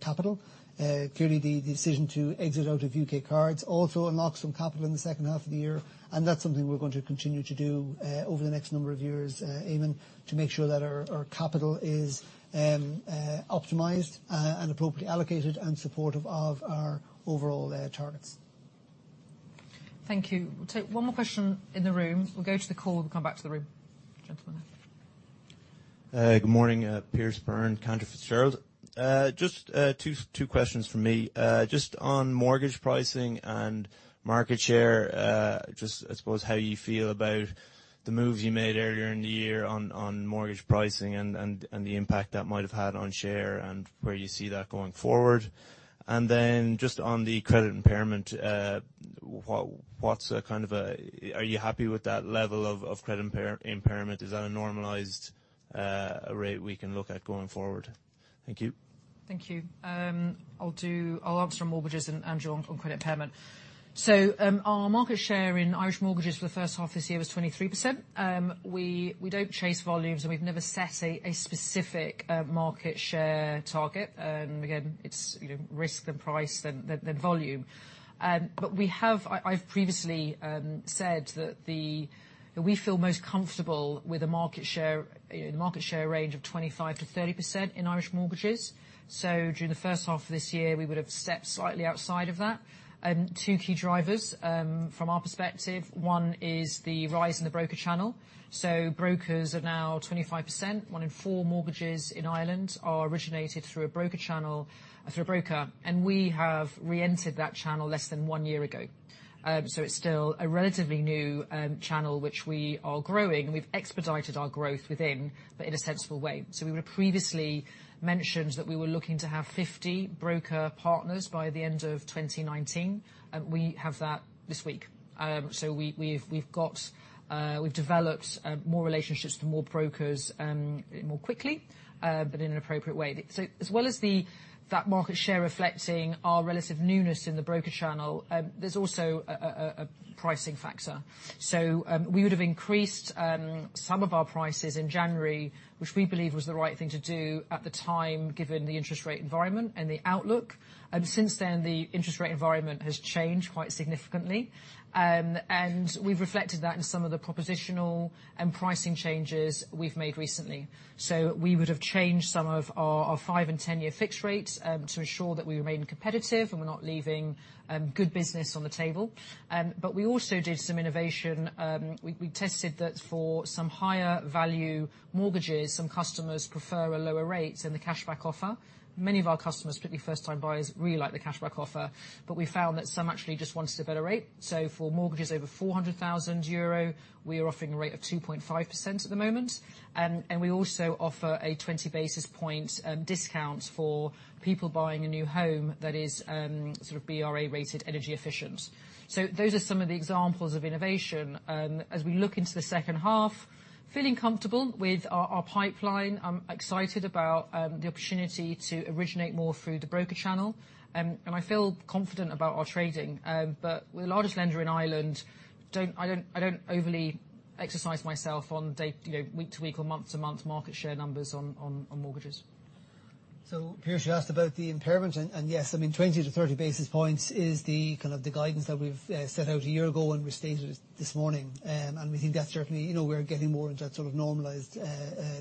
capital. Clearly, the decision to exit out of U.K. cards also unlocks some capital in the second half of the year, and that's something we're going to continue to do over the next number of years, Eamonn, to make sure that our capital is optimized, and appropriately allocated, and supportive of our overall targets. Thank you. We'll take one more question in the room. We'll go to the call. We'll come back to the room. Gentleman there. Good morning. Pierce Byrne, Cantor Fitzgerald. Just two questions from me. Just on mortgage pricing and market share, just I suppose how you feel about the moves you made earlier in the year on mortgage pricing, and the impact that might have had on share, and where you see that going forward. Just on the credit impairment, are you happy with that level of credit impairment? Is that a normalized rate we can look at going forward? Thank you. Thank you. I'll answer on mortgages, Andrew on credit impairment. Our market share in Irish mortgages for the first half this year was 23%. We don't chase volumes, we've never set a specific market share target. Again, it's risk, then price, then volume. I've previously said that we feel most comfortable with a market share range of 25%-30% in Irish mortgages. During the first half of this year, we would've stepped slightly outside of that. Two key drivers from our perspective. One is the rise in the broker channel. Brokers are now 25%. One in four mortgages in Ireland are originated through a broker, we have reentered that channel less than one year ago. It's still a relatively new channel which we are growing, we've expedited our growth within, in a sensible way. We would've previously mentioned that we were looking to have 50 broker partners by the end of 2019. We have that this week. We've developed more relationships to more brokers more quickly, but in an appropriate way. As well as that market share reflecting our relative newness in the broker channel, there's also a pricing factor. We would've increased some of our prices in January, which we believe was the right thing to do at the time, given the interest rate environment and the outlook. Since then, the interest rate environment has changed quite significantly, and we've reflected that in some of the propositional and pricing changes we've made recently. We would've changed some of our five and 10-year fixed rates to ensure that we remain competitive and we're not leaving good business on the table. We also did some innovation. We tested that for some higher value mortgages, some customers prefer a lower rate in the cashback offer. Many of our customers, particularly first time buyers, really like the cashback offer. We found that some actually just wanted a better rate. For mortgages over 400,000 euro, we are offering a rate of 2.5% at the moment. We also offer a 20-basis point discount for people buying a new home that is sort of BER rated energy efficient. Those are some of the examples of innovation. As we look into the second half, feeling comfortable with our pipeline. I'm excited about the opportunity to originate more through the broker channel. I feel confident about our trading. We're the largest lender in Ireland. I don't overly exercise myself on week to week or month to month market share numbers on mortgages. Pierce, you asked about the impairment, yes, I mean 20-30 basis points is the kind of the guidance that we've set out a year ago, restated this morning. We think that certainly, we're getting more into that sort of normalized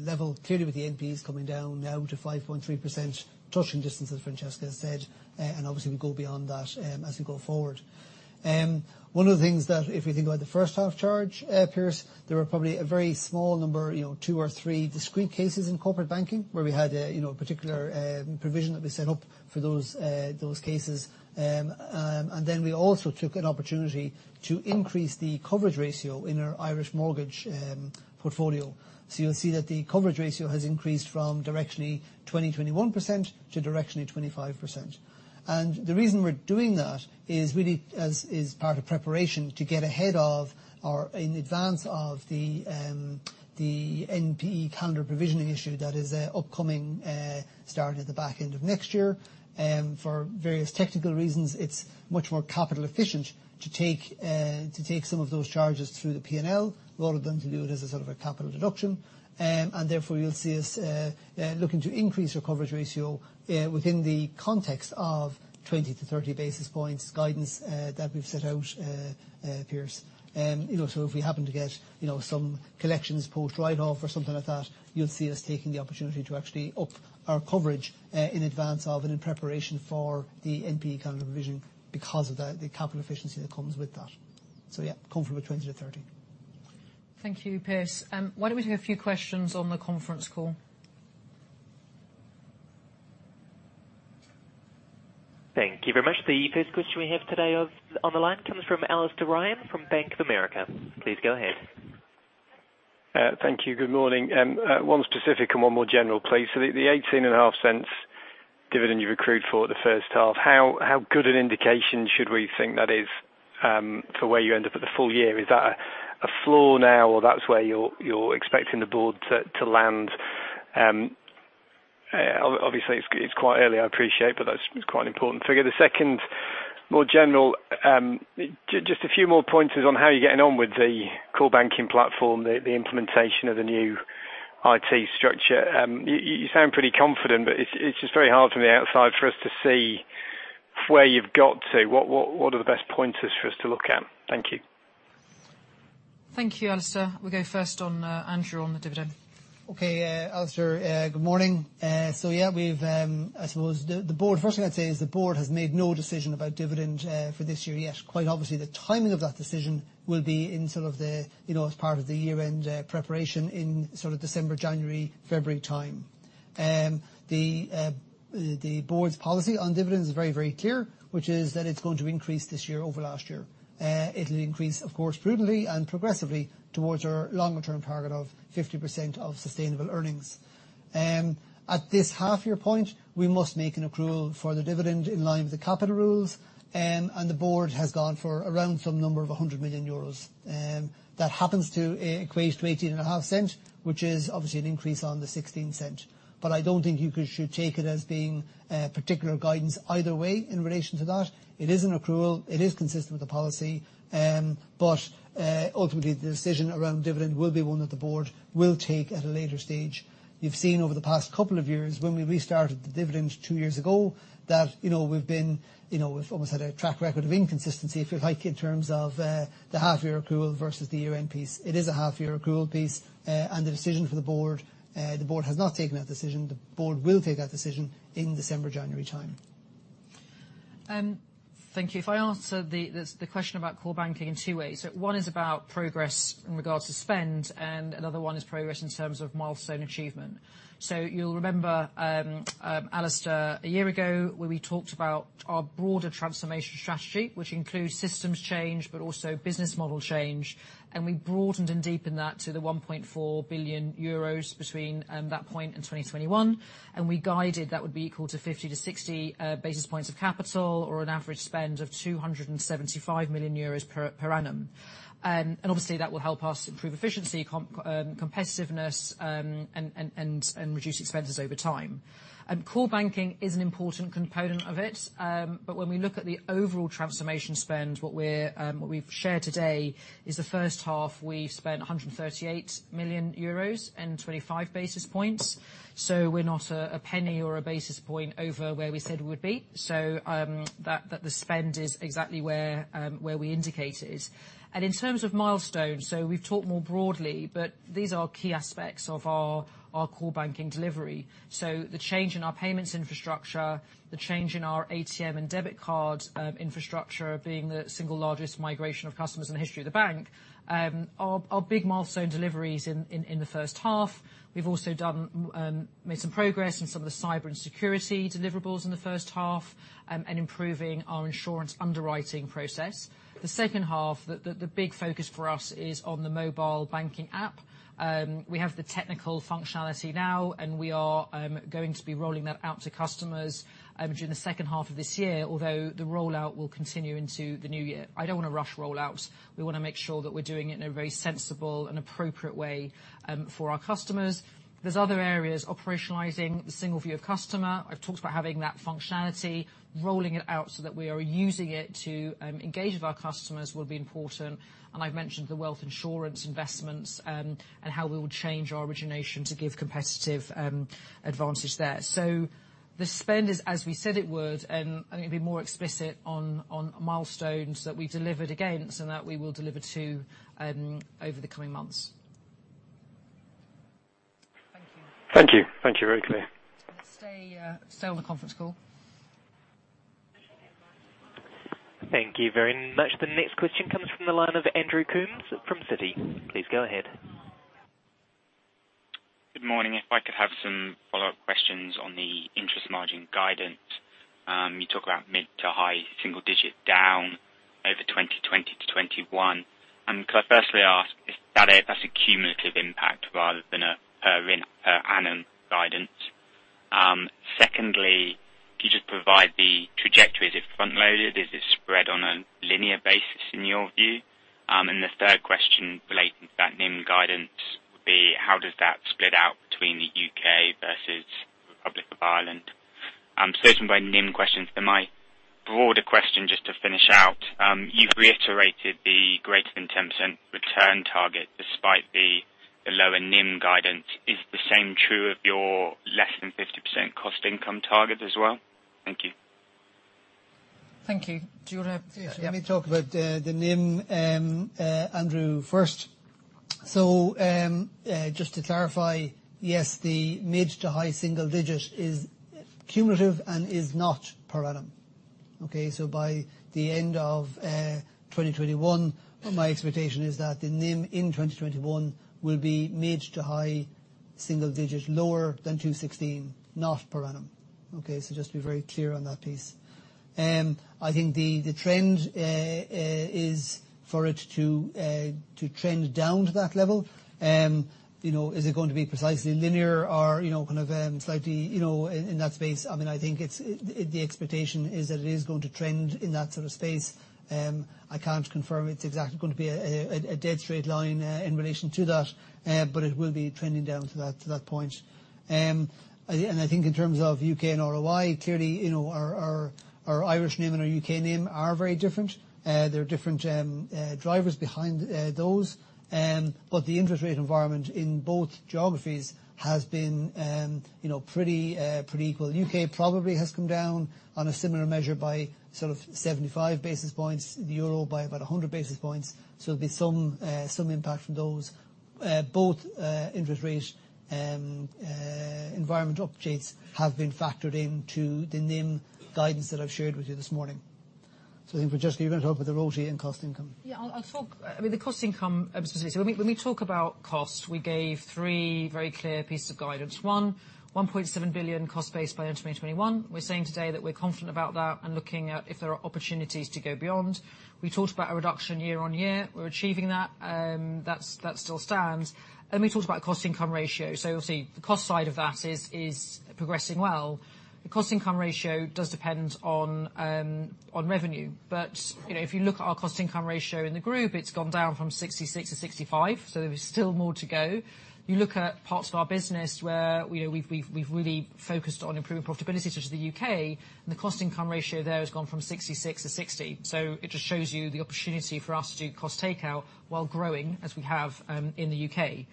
level. Clearly with the NPEs coming down now to 5.3%, touching distance, as Francesca said, obviously we go beyond that as we go forward. One of the things that if you think about the first half charge, Pierce, there were probably a very small number, two or three discrete cases in Corporate Banking where we had a particular provision that we set up for those cases. Then we also took an opportunity to increase the coverage ratio in our Irish mortgage portfolio. You'll see that the coverage ratio has increased from directionally 20%-21% to directionally 25%. The reason we're doing that is really as part of preparation to get ahead of or in advance of the NPE calendar provisioning issue that is upcoming, starting at the back end of next year. For various technical reasons, it's much more capital efficient to take some of those charges through the P&L, a lot of them to do it as a sort of a capital deduction. Therefore, you'll see us looking to increase our coverage ratio within the context of 20-30 basis points guidance that we've set out, Pierce. If we happen to get some collections post write-off or something like that, you'll see us taking the opportunity to actually up our coverage, in advance of and in preparation for the NPE kind of provision because of the capital efficiency that comes with that. Yeah, comfortable with 20-30 basis points. Thank you, Pierce. Why don't we take a few questions on the conference call? Thank you very much. The first question we have today on the line comes from Alastair Ryan from Bank of America. Please go ahead. Thank you. Good morning. One specific and one more general, please. The 0.185 dividend you've accrued for the first half, how good an indication should we think that is for where you end up at the full year? Is that a floor now or that's where you're expecting the board to land? Obviously, it's quite early, I appreciate, but that's quite an important figure. The second, more general, just a few more pointers on how you're getting on with the core banking platform, the implementation of the new IT structure. You sound pretty confident, but it's just very hard from the outside for us to see where you've got to. What are the best pointers for us to look at? Thank you. Thank you, Alastair. We'll go first on Andrew on the dividend. Alastair, good morning. First thing I'd say is the board has made no decision about dividend for this year yet. Quite obviously, the timing of that decision will be as part of the year-end preparation in December, January, February time. The board's policy on dividends is very, very clear, which is that it's going to increase this year over last year. It'll increase, of course, prudently and progressively towards our longer term target of 50% of sustainable earnings. At this half year point, we must make an accrual for the dividend in line with the capital rules, and the board has gone for around some number of 100 million euros. That happens to equate to 0.185, which is obviously an increase on the 0.16. I don't think you should take it as being particular guidance either way in relation to that. It is an accrual. It is consistent with the policy. Ultimately, the decision around dividend will be one that the board will take at a later stage. You've seen over the past couple of years, when we restarted the dividend two years ago, that we've almost had a track record of inconsistency, if you like, in terms of the half year accrual versus the year-end piece. It is a half year accrual piece, and the decision for the board, the board has not taken that decision. The board will take that decision in December, January time. Thank you. If I answer the question about core banking in two ways. One is about progress in regards to spend, and another one is progress in terms of milestone achievement. You'll remember, Alastair, a year ago, where we talked about our broader transformation strategy, which includes systems change but also business model change, and we broadened and deepened that to the 1.4 billion euros between that point and 2021, and we guided that would be equal to 50-60 basis points of capital or an average spend of 275 million euros per annum. Obviously, that will help us improve efficiency, competitiveness, and reduce expenses over time. Core banking is an important component of it. When we look at the overall transformation spend, what we've shared today is the first half, we've spent 138 million euros and 25 basis points. We're not a penny or a basis point over where we said we'd be. The spend is exactly where we indicate it is. In terms of milestones, we've talked more broadly, but these are key aspects of our core banking delivery. The change in our payments infrastructure, the change in our ATM and debit card infrastructure being the single largest migration of customers in the history of the bank, are big milestone deliveries in the first half. We've also made some progress in some of the cyber and security deliverables in the first half, and improving our insurance underwriting process. The second half, the big focus for us is on the mobile banking app. We have the technical functionality now, we are going to be rolling that out to customers during the second half of this year, although the rollout will continue into the new year. I don't want to rush rollout. We want to make sure that we're doing it in a very sensible and appropriate way for our customers. There's other areas, operationalizing the single view of customer. I've talked about having that functionality, rolling it out so that we are using it to engage with our customers will be important. I've mentioned the wealth insurance investments, and how we will change our origination to give competitive advantage there. The spend is as we said it would, and I'm going to be more explicit on milestones that we delivered against and that we will deliver to over the coming months. Thank you. Thank you. Very clear. Let's stay on the conference call. Thank you very much. The next question comes from the line of Andrew Coombs from Citi. Please go ahead. Good morning. If I could have some follow-up questions on the interest margin guidance. You talk about mid to high single digit down over 2020-2021. Can I firstly ask, that's a cumulative impact rather than a per annum guidance? Could you just provide the trajectory? Is it front-loaded? Is it spread on a linear basis in your view? The third question relating to that NIM guidance would be how does that split out between the U.K. versus Ireland. Certain NIM questions, my broader question just to finish out, you've reiterated the greater than 10% return target despite the lower NIM guidance. Is the same true of your less than 50% cost income target as well? Thank you. Thank you. Yeah. Let me talk about the NIM, Andrew, first. Just to clarify, yes, the mid to high single digit is cumulative and is not per annum. Okay. By the end of 2021, what my expectation is that the NIM in 2021 will be mid to high single digit, lower than 2016, not per annum. Okay. Just to be very clear on that piece. I think the trend is for it to trend down to that level. Is it going to be precisely linear or kind of slightly in that space? I think the expectation is that it is going to trend in that sort of space. I can't confirm it's exactly going to be a dead straight line, in relation to that, but it will be trending down to that point. I think in terms of U.K. and ROI, clearly, our Irish NIM and our U.K. NIM are very different. There are different drivers behind those. The interest rate environment in both geographies has been pretty equal. The U.K. probably has come down on a similar measure by sort of 75 basis points, the EUR by about 100 basis points. There'll be some impact from those, both interest rate environment updates have been factored into the NIM guidance that I've shared with you this morning. I think for Francesca, you're going to talk about the ROTE and cost income. Yeah. The cost-income, specifically. When we talk about cost, we gave three very clear pieces of guidance. One, 1.7 billion cost base by 2021. We're saying today that we're confident about that and looking at if there are opportunities to go beyond. We talked about a reduction year-on-year. We're achieving that. That still stands. We talked about cost income ratio. You'll see the cost side of that is progressing well. The cost income ratio does depend on revenue. If you look at our cost income ratio in the group, it's gone down from 66%-65%, so there is still more to go. You look at parts of our business where we've really focused on improving profitability, such as the U.K., and the cost income ratio there has gone from 66%-60%. It just shows you the opportunity for us to do cost takeout while growing, as we have in the U.K.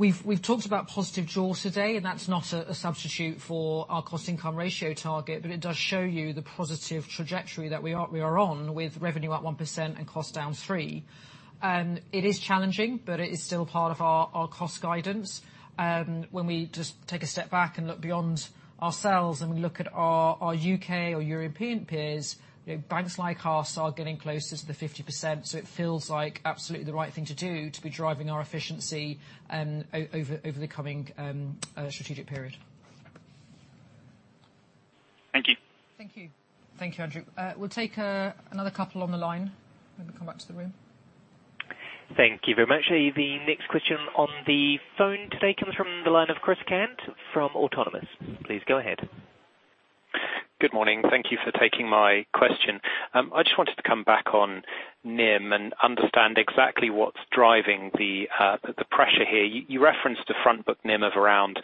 We've talked about positive jaws today, and that's not a substitute for our cost income ratio target, but it does show you the positive trajectory that we are on with revenue at 1% and cost down 3%. It is challenging, but it is still part of our cost guidance. When we just take a step back and look beyond ourselves, and we look at our U.K. or European peers, banks like us are getting closer to the 50%, so it feels like absolutely the right thing to do to be driving our efficiency over the coming strategic period. Thank you. Thank you. Thank you, Andrew. We'll take another couple on the line. Maybe come back to the room. Thank you very much. The next question on the phone today comes from the line of Chris Kent from Autonomous. Please go ahead. Good morning. Thank you for taking my question. I just wanted to come back on NIM and understand exactly what's driving the pressure here. You referenced a front book NIM of around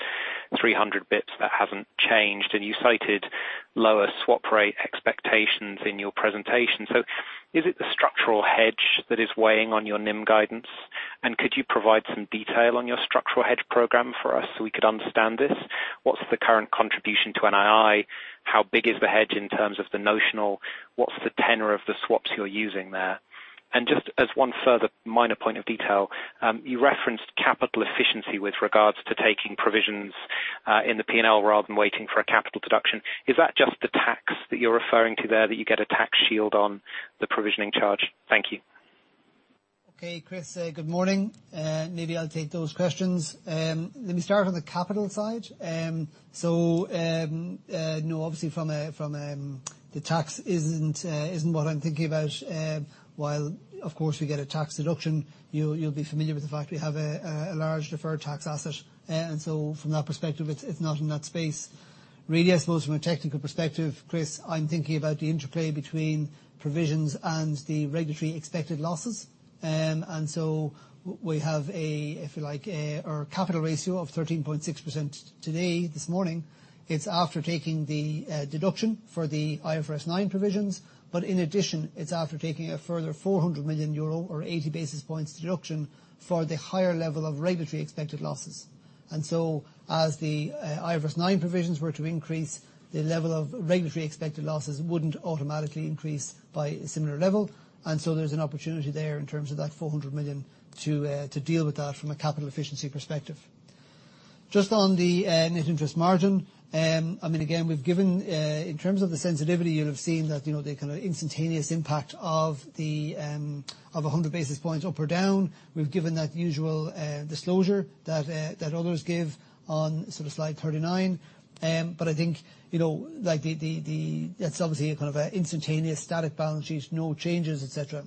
300 basis points that hasn't changed, you cited lower swap rate expectations in your presentation. Is it the structural hedge that is weighing on your NIM guidance? Could you provide some detail on your structural hedge program for us so we could understand this? What's the current contribution to NII? How big is the hedge in terms of the notional? What's the tenor of the swaps you're using there? Just as one further minor point of detail, you referenced capital efficiency with regards to taking provisions in the P&L rather than waiting for a capital deduction. Is that just the tax that you're referring to there, that you get a tax shield on the provisioning charge? Thank you. Okay, Chris, good morning. Maybe I'll take those questions. Let me start on the capital side. No, obviously the tax isn't what I'm thinking about. While, of course, we get a tax deduction, you'll be familiar with the fact we have a large deferred tax asset, from that perspective, it's not in that space. Really, I suppose from a technical perspective, Chris, I'm thinking about the interplay between provisions and the regulatory expected losses. We have a, if you like, our capital ratio of 13.6% today, this morning. It's after taking the deduction for the IFRS 9 provisions. In addition, it's after taking a further 400 million euro or 80 basis points deduction for the higher level of regulatory expected losses. As the IFRS 9 provisions were to increase, the level of regulatory expected losses wouldn't automatically increase by a similar level. There's an opportunity there in terms of that 400 million to deal with that from a capital efficiency perspective. Just on the net interest margin, again, in terms of the sensitivity, you'll have seen that the kind of instantaneous impact of 100 basis points up or down, we've given that usual disclosure that others give on slide 39. I think that's obviously a kind of instantaneous static balance sheet, no changes, et cetera.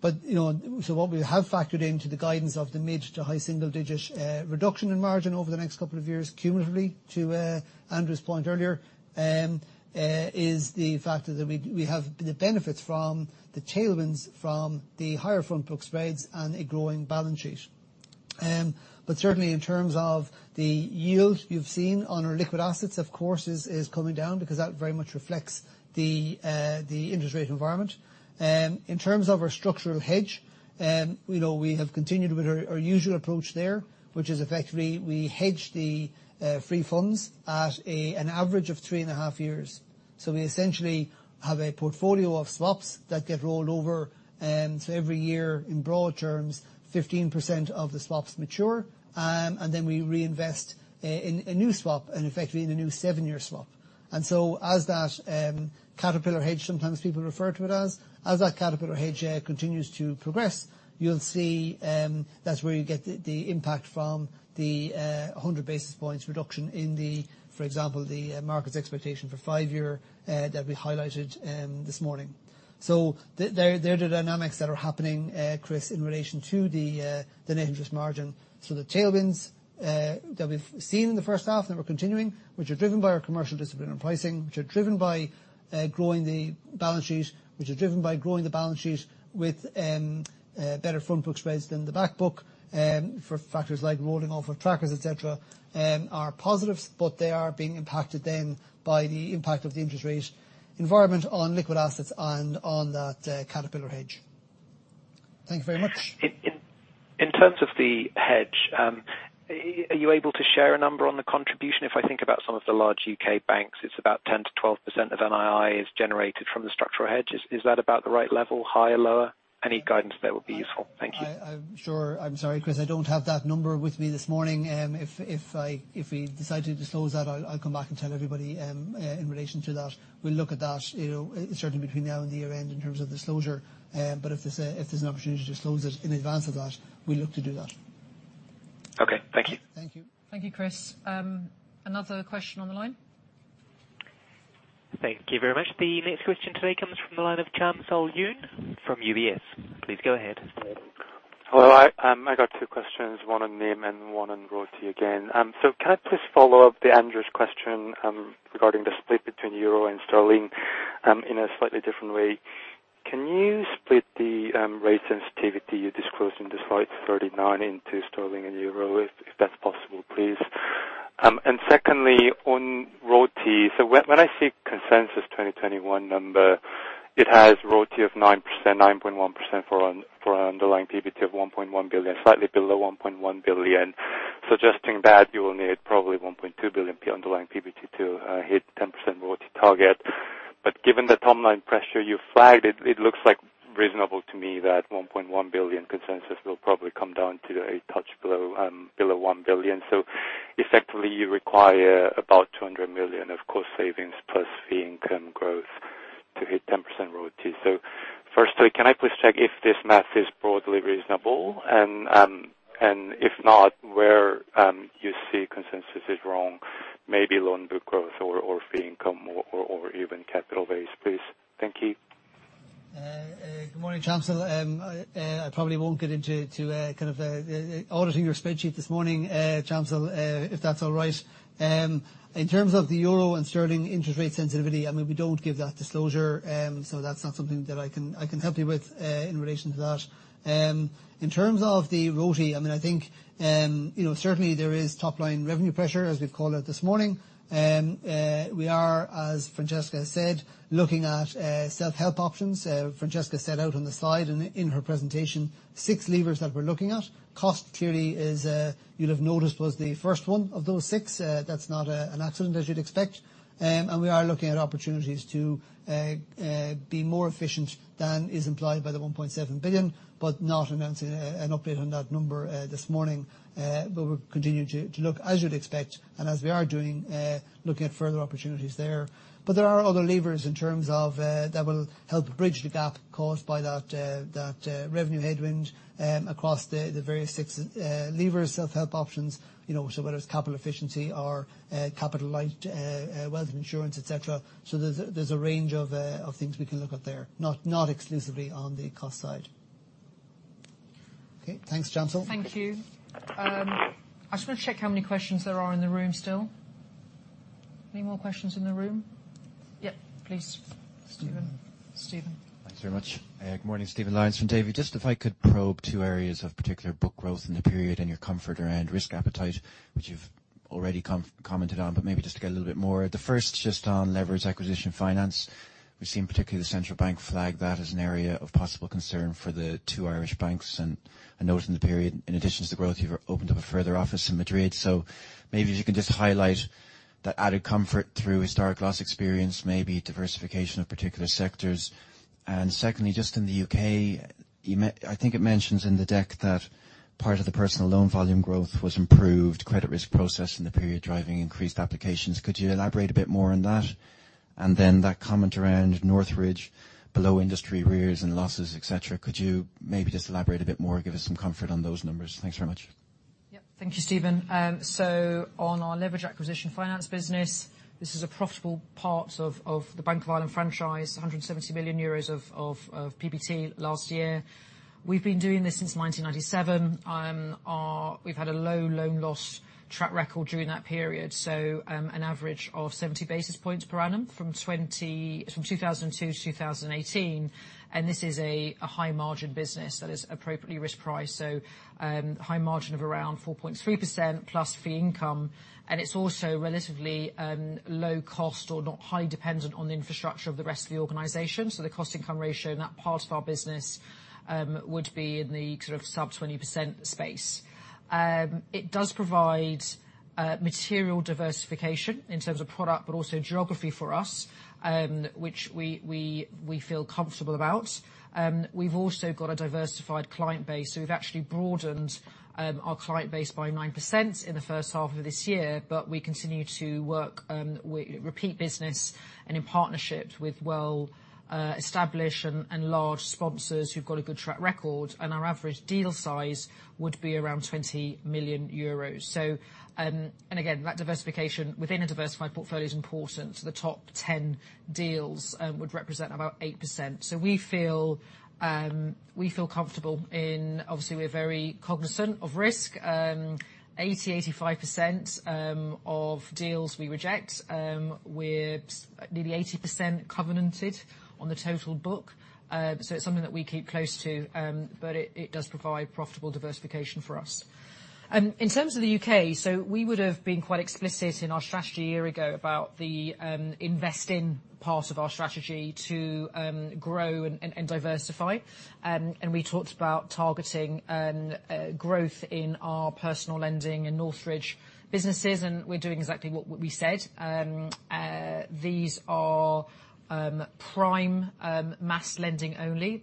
What we have factored into the guidance of the mid to high single-digit reduction in margin over the next couple of years cumulatively, to Andrew's point earlier, is the fact that we have the benefits from the tailwinds from the higher front book spreads and a growing balance sheet. Certainly, in terms of the yield you've seen on our liquid assets, of course, is coming down because that very much reflects the interest rate environment. In terms of our structural hedge, we have continued with our usual approach there, which is effectively we hedge the free funds at an average of three and a half years. We essentially have a portfolio of swaps that get rolled over. Every year, in broad terms, 15% of the swaps mature, and then we reinvest in a new swap and effectively in the new seven-year swap. As that caterpillar hedge, sometimes people refer to it as that caterpillar hedge continues to progress, you'll see that's where you get the impact from the 100 basis points reduction in the, for example, the market's expectation for five year that we highlighted this morning. They're the dynamics that are happening, Chris, in relation to the net interest margin. The tailwinds that we've seen in the first half that we're continuing, which are driven by our commercial discipline and pricing, which are driven by growing the balance sheet, which are driven by growing the balance sheet with better front book spreads than the back book for factors like rolling off of trackers, et cetera, are positives, but they are being impacted then by the impact of the interest rate environment on liquid assets and on that caterpillar hedge. Thank you very much. In terms of the hedge, are you able to share a number on the contribution? If I think about some of the large U.K. banks, it's about 10%-12% of NII is generated from the structural hedge. Is that about the right level, higher, lower? Any guidance there would be useful. Thank you. I'm sorry, Chris, I don't have that number with me this morning. If we decide to disclose that, I'll come back and tell everybody in relation to that. We'll look at that certainly between now and the year end in terms of disclosure. If there's an opportunity to disclose it in advance of that, we look to do that. Okay. Thank you. Thank you. Thank you, Chris. Another question on the line. Thank you very much. The next question today comes from the line of Charmsol Yoon from UBS. Please go ahead. Hello. I got two questions, one on NIM and one on ROTE again. Can I please follow up Andrew's question regarding the split between euro and sterling in a slightly different way? Can you split the rate sensitivity you disclosed in the slide 39 into sterling and euro, if that's possible, please. Secondly, on ROTE, when I see consensus 2021 number, it has ROTE of 9.1% for underlying PBT of 1.1 billion, slightly below 1.1 billion, suggesting that you will need probably 1.2 billion underlying PBT to hit 10% ROTE target. Given the top-line pressure you flagged, it looks reasonable to me that 1.1 billion consensus will probably come down to a touch below 1 billion. Effectively, you require about 200 million of cost savings plus fee income growth to hit 10% ROTE. Firstly, can I please check if this math is broadly reasonable? If not, where you see consensus is wrong, maybe loan book growth or fee income or even capital base, please. Thank you. Good morning, Charmsol. I probably won't get into kind of auditing your spreadsheet this morning, Charmsol, if that's all right. In terms of the euro and sterling interest rate sensitivity, we don't give that disclosure, so that's not something that I can help you with in relation to that. In terms of the ROTE, I think certainly there is top-line revenue pressure, as we've called out this morning. We are, as Francesca said, looking at self-help options. Francesca set out on the slide in her presentation six levers that we're looking at. Cost, clearly is, you'll have noticed, was the first one of those six. That's not an accident, as you'd expect. We are looking at opportunities to be more efficient than is implied by the 1.7 billion, but not announcing an update on that number this morning. We're continuing to look, as you'd expect, and as we are doing, looking at further opportunities there. There are other levers in terms of that will help bridge the gap caused by that revenue headwind across the various six levers, self-help options, so whether it's capital efficiency or capital light, wealth insurance, et cetera. There's a range of things we can look at there, not exclusively on the cost side. Okay, thanks, Charmsol. Thank you. I just want to check how many questions there are in the room still. Any more questions in the room? Yeah, please. Stephen. Stephen. Thanks very much. Good morning, Stephen Lyons, Davy. If I could probe two areas of particular book growth in the period and your comfort around risk appetite, which you've already commented on, but maybe just to get a little bit more. The first on leveraged acquisition finance. We've seen particularly the Central Bank flag that as an area of possible concern for the two Irish banks. I note in the period, in addition to growth, you've opened up a further office in Madrid. Maybe if you can highlight that added comfort through historic loss experience, maybe diversification of particular sectors. Secondly, in the U.K., I think it mentions in the deck that part of the personal loan volume growth was improved credit risk process in the period driving increased applications. Could you elaborate a bit more on that? That comment around Northridge below industry arrears and losses, et cetera, could you maybe just elaborate a bit more, give us some comfort on those numbers? Thanks very much. Thank you, Stephen. On our leveraged acquisition finance business, this is a profitable part of the Bank of Ireland franchise, 170 million euros of PBT last year. We've been doing this since 1997. We've had a low loan loss track record during that period, an average of 70 basis points per annum from 2002-2018. This is a high margin business that is appropriately risk priced. High margin of around 4.3%+ fee income, it's also relatively low cost or not high dependent on the infrastructure of the rest of the organization. The cost income ratio in that part of our business would be in the sort of sub 20% space. It does provide material diversification in terms of product, but also geography for us, which we feel comfortable about. We've also got a diversified client base. We've actually broadened our client base by 9% in the first half of this year. We continue to work with repeat business and in partnerships with well established and large sponsors who've got a good track record. Our average deal size would be around 20 million euros. Again, that diversification within a diversified portfolio is important. The top 10 deals would represent about 8%. We feel comfortable. Obviously, we're very cognizant of risk. 80%-85% of deals we reject, with nearly 80% covenanted on the total book. It does provide profitable diversification for us. In terms of the U.K., we would've been quite explicit in our strategy a year ago about the invest in part of our strategy to grow and diversify. We talked about targeting growth in our personal lending and Northridge businesses, and we're doing exactly what we said. These are prime mass lending only.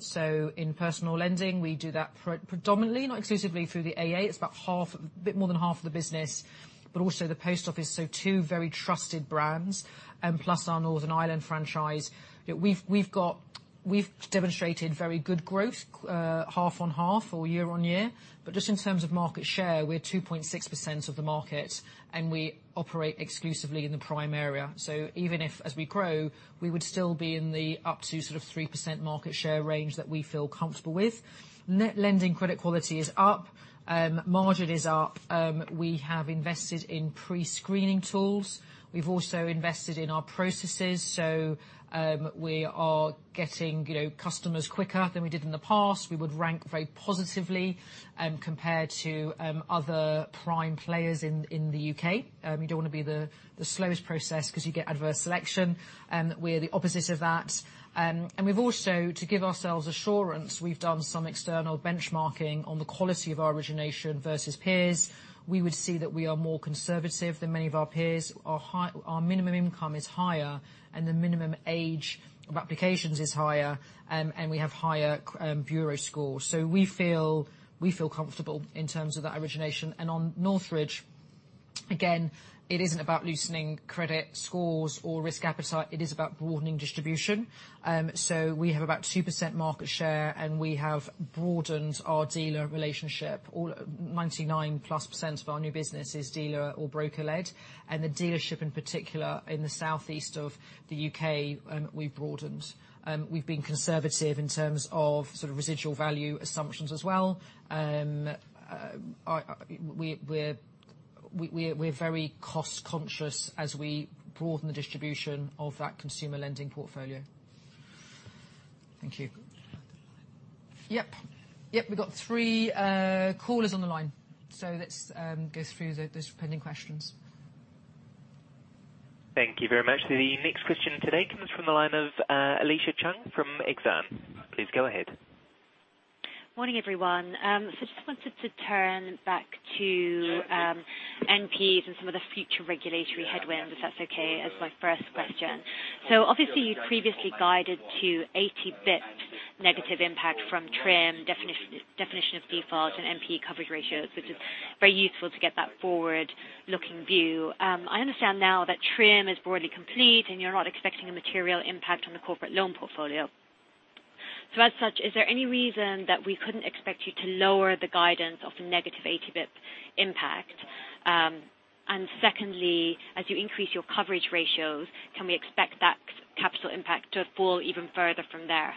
In personal lending, we do that predominantly, not exclusively through the AA. It's about a bit more than half of the business, but also the Post Office, so two very trusted brands, plus our Northern Ireland franchise. We've demonstrated very good growth half-on-half or year-on-year, but just in terms of market share, we're 2.6% of the market, and we operate exclusively in the prime area. Even if, as we grow, we would still be in the up to sort of 3% market share range that we feel comfortable with. Net lending credit quality is up. Margin is up. We have invested in pre-screening tools. We've also invested in our processes. We are getting customers quicker than we did in the past. We would rank very positively compared to other prime players in the U.K. We don't want to be the slowest process because you get adverse selection. We're the opposite of that. We've also, to give ourselves assurance, we've done some external benchmarking on the quality of our origination versus peers. We would see that we are more conservative than many of our peers. Our minimum income is higher, and the minimum age of applications is higher, and we have higher bureau scores. We feel comfortable in terms of that origination. On Northridge, again, it isn't about loosening credit scores or risk appetite. It is about broadening distribution. We have about 2% market share, and we have broadened our dealer relationship. 99%+ of our new business is dealer or broker led, and the dealership, in particular, in the southeast of the U.K., we've broadened. We've been conservative in terms of sort of residual value assumptions as well. We're very cost conscious as we broaden the distribution of that consumer lending portfolio. Thank you. Yep. We've got three callers on the line, so let's go through those pending questions. Thank you very much. The next question today comes from the line of Alicia Chung from Exane. Please go ahead. Morning, everyone. Just wanted to turn back to NPEs and some of the future regulatory headwinds, if that's okay, as my first question. Obviously you previously guided to 80 basis points negative impact from TRIM, definition of default and NPE coverage ratios, which is very useful to get that forward looking view. I understand now that TRIM is broadly complete, and you're not expecting a material impact on the corporate loan portfolio. As such, is there any reason that we couldn't expect you to lower the guidance of the -80 basis points impact? Secondly, as you increase your coverage ratios, can we expect that capital impact to fall even further from there?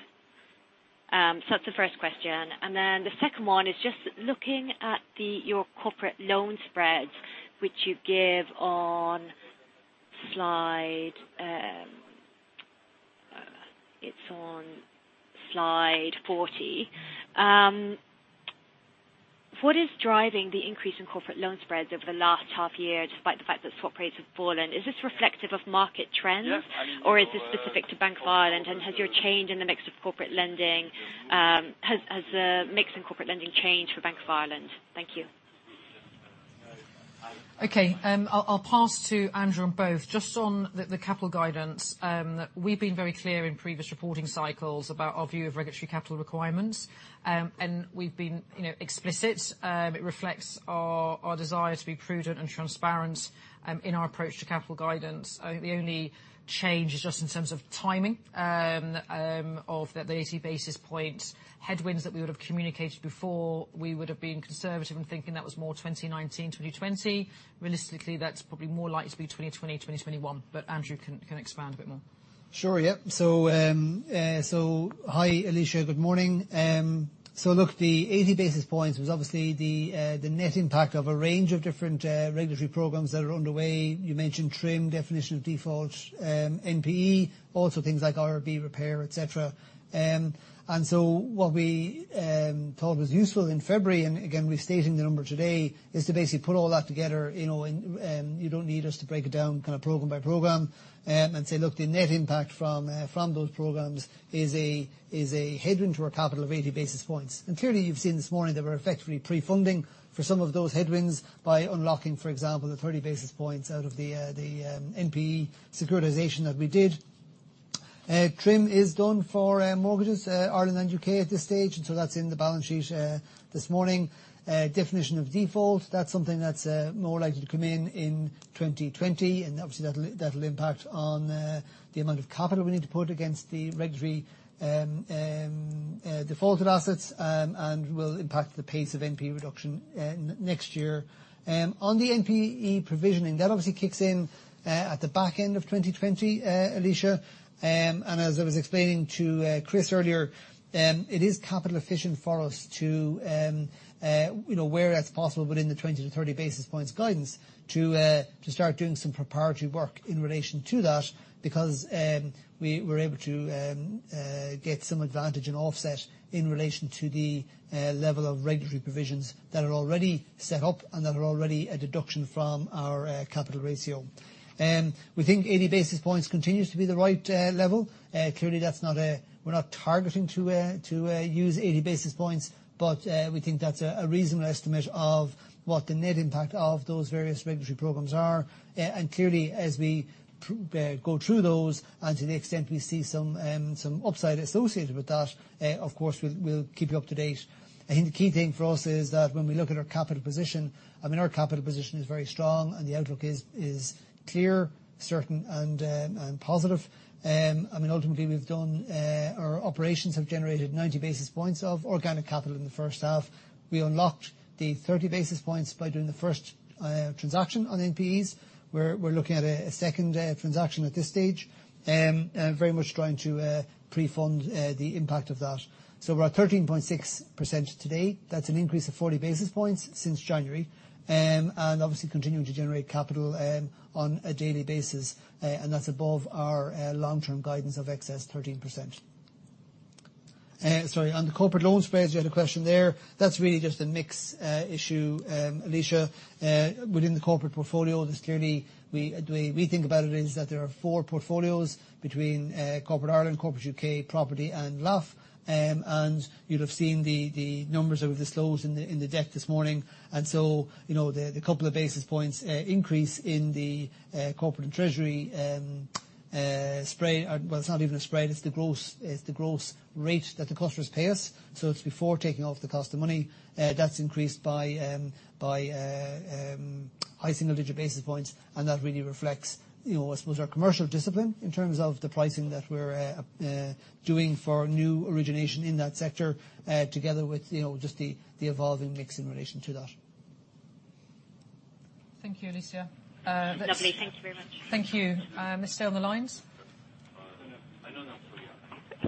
That's the first question. The second one is just looking at your corporate loan spreads, which you give on slide 40. What is driving the increase in corporate loan spreads over the last half year, despite the fact that swap rates have fallen? Is this reflective of market trends? Is this specific to Bank of Ireland, and has the mix in corporate lending changed for Bank of Ireland? Thank you. Okay. I'll pass to Andrew on both. Just on the capital guidance. We've been very clear in previous reporting cycles about our view of regulatory capital requirements. We've been explicit. It reflects our desire to be prudent and transparent in our approach to capital guidance. I think the only change is just in terms of timing of the 80 basis points headwinds that we would've communicated before. We would've been conservative in thinking that was more 2019, 2020. Realistically, that's probably more likely to be 2020, 2021. Andrew can expand a bit more. Sure. Yeah. Hi, Alicia. Good morning. Look, the 80 basis points was obviously the net impact of a range of different regulatory programs that are underway. You mentioned TRIM, definition of default, NPE, also things like IRB repair, et cetera. What we thought was useful in February, and again, restating the number today, is to basically put all that together, and you don't need us to break it down program by program, and say, look, the net impact from those programs is a headwind to our capital of 80 basis points. Clearly, you've seen this morning that we're effectively pre-funding for some of those headwinds by unlocking, for example, the 30 basis points out of the NPE securitization that we did. TRIM is done for mortgages, Ireland and U.K. at this stage, and so that's in the balance sheet this morning. Definition of default, that's something that's more likely to come in in 2020, and obviously that'll impact on the amount of capital we need to put against the regulatory defaulted assets, and will impact the pace of NPE reduction next year. On the NPE provisioning, that obviously kicks in at the back end of 2020, Alicia. As I was explaining to Chris earlier, it is capital efficient for us to, where that's possible within the 20-30 basis points guidance, to start doing some proprietary work in relation to that because we're able to get some advantage and offset in relation to the level of regulatory provisions that are already set up and that are already a deduction from our capital ratio. We think 80 basis points continues to be the right level. We're not targeting to use 80 basis points, but we think that's a reasonable estimate of what the net impact of those various regulatory programs are. Clearly, as we go through those, and to the extent we see some upside associated with that, of course we'll keep you up to date. I think the key thing for us is that when we look at our capital position, our capital position is very strong and the outlook is clear, certain, and positive. Our operations have generated 90 basis points of organic capital in the first half. We unlocked the 30 basis points by doing the first transaction on NPEs. We're looking at a second transaction at this stage, very much trying to pre-fund the impact of that. We're at 13.6% today. That's an increase of 40 basis points since January, and obviously continuing to generate capital on a daily basis, and that's above our long-term guidance of excess 13%. Sorry, on the corporate loan spreads, you had a question there. That's really just a mix issue, Alicia. Within the corporate portfolio, the way we think about it is that there are four portfolios between Corporate Ireland, Corporate U.K., Property, and LAF, and you'll have seen the numbers that we've disclosed in the deck this morning. The couple of basis points increase in the corporate and treasury spread, well, it's not even a spread, it's the gross rate that the customers pay us. It's before taking off the cost of money. That's increased by high single-digit basis points, and that really reflects our commercial discipline in terms of the pricing that we're doing for new origination in that sector, together with just the evolving mix in relation to that. Thank you, Alicia. Lovely. Thank you very much. Thank you. Stay on the lines.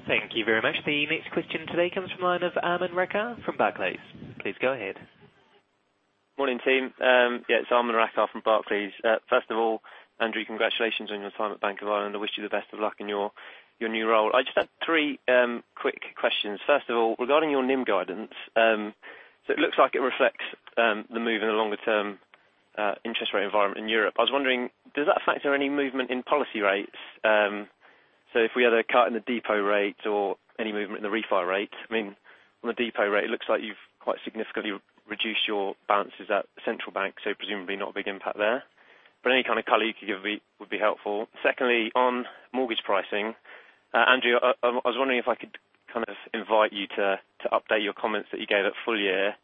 Thank you very much. The next question today comes from the line of Aman Rakkar from Barclays. Please go ahead. Morning, team. Yeah, it's Aman Rakkar from Barclays. First of all, Andrew, congratulations on your assignment at Bank of Ireland. I wish you the best of luck in your new role. I just had three quick questions. First of all, regarding your NIM guidance, it looks like it reflects the move in the longer term interest rate environment in Europe. I was wondering, does that factor any movement in policy rates? If we had a cut in the depo rate or any movement in the refi rate, on the depo rate, it looks like you've quite significantly reduced your balances at the central bank, so presumably not a big impact there. Any kind of color you could give would be helpful. On mortgage pricing, Andrew, I was wondering if I could invite you to update your comments that you gave at full year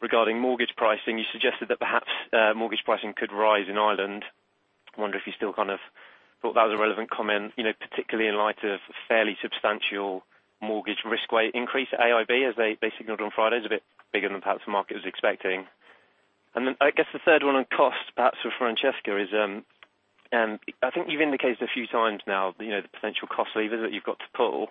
regarding mortgage pricing. You suggested that perhaps mortgage pricing could rise in Ireland. I wonder if you still thought that was a relevant comment, particularly in light of fairly substantial mortgage risk weight increase at AIB as they signaled on Friday. It's a bit bigger than perhaps the market was expecting. I guess the third one on cost, perhaps for Francesca, is, I think you've indicated a few times now the potential cost levers that you've got to pull.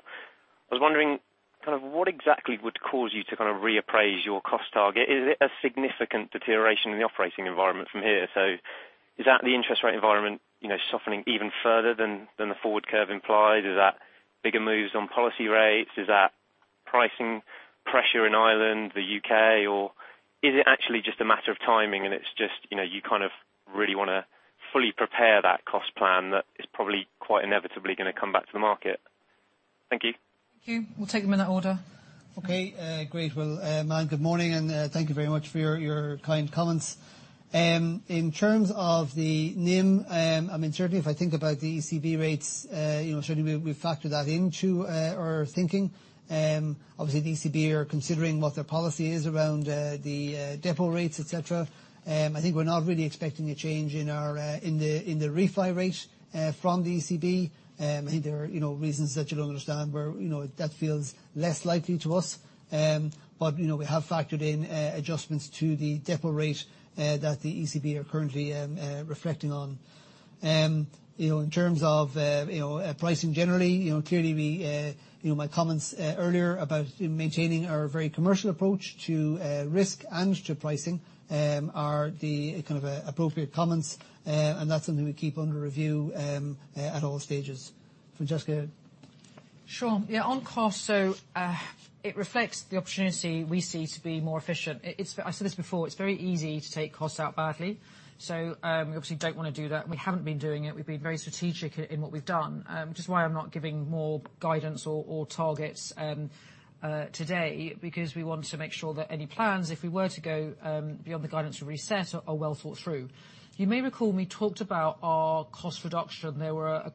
I was wondering, what exactly would cause you to reappraise your cost target? Is it a significant deterioration in the operating environment from here? Is that the interest rate environment softening even further than the forward curve implied? Is that bigger moves on policy rates? Is that pricing pressure in Ireland, the U.K., or is it actually just a matter of timing and it's just, you kind of really want to fully prepare that cost plan that is probably quite inevitably going to come back to the market. Thank you. Thank you. We'll take them in that order. Okay, great. Well, Aman, good morning, and thank you very much for your kind comments. In terms of the NIM, certainly if I think about the ECB rates, certainly we factor that into our thinking. Obviously, the ECB are considering what their policy is around the depo rates, et cetera. I think we're not really expecting a change in the refi rate from the ECB. I think there are reasons that you'll understand where that feels less likely to us. We have factored in adjustments to the depo rate that the ECB are currently reflecting on. In terms of pricing generally, clearly, my comments earlier about maintaining our very commercial approach to risk and to pricing, are the appropriate comments. That's something we keep under review at all stages. Francesca? Sure. On cost, it reflects the opportunity we see to be more efficient. I said this before, it's very easy to take costs out badly. We obviously don't want to do that, and we haven't been doing it. We've been very strategic in what we've done. I'm not giving more guidance or targets today, because we want to make sure that any plans, if we were to go beyond the guidance we reset, are well thought through. You may recall we talked about our cost reduction. There were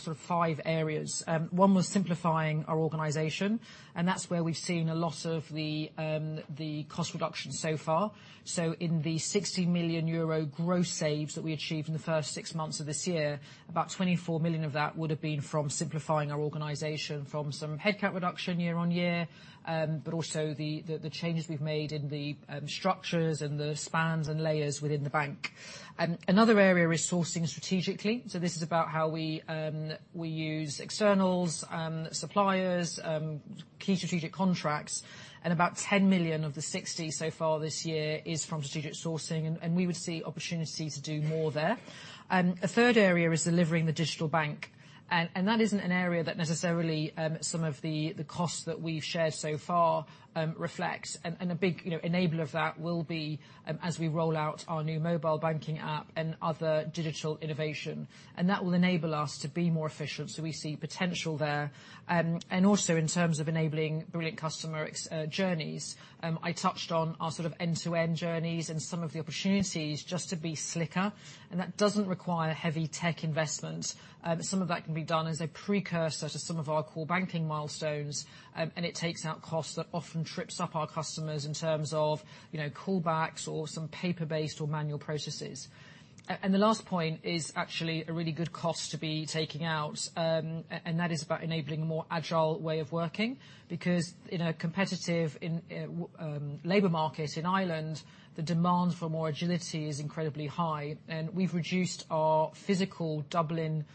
sort of five areas. One was simplifying our organization, and that's where we've seen a lot of the cost reduction so far. In the 60 million euro gross saves that we achieved in the first six months of this year, about 24 million of that would've been from simplifying our organization from some headcount reduction year-on-year. Also the changes we've made in the structures and the spans and layers within the bank. Another area, resourcing strategically. This is about how we use externals, suppliers, key strategic contracts. About 10 million of the 60 million so far this year is from strategic sourcing, and we would see opportunity to do more there. A third area is delivering the digital bank, that isn't an area that necessarily some of the costs that we've shared so far reflect. A big enabler of that will be as we roll out our new mobile banking app and other digital innovation. That will enable us to be more efficient, so we see potential there. Also in terms of enabling brilliant customer journeys, I touched on our end-to-end journeys and some of the opportunities just to be slicker, and that doesn't require heavy tech investment. Some of that can be done as a precursor to some of our core banking milestones. It takes out costs that often trips up our customers in terms of callbacks or some paper-based or manual processes. The last point is actually a really good cost to be taking out, and that is about enabling a more agile way of working. In a competitive labor market in Ireland, the demand for more agility is incredibly high. We've reduced our physical Dublin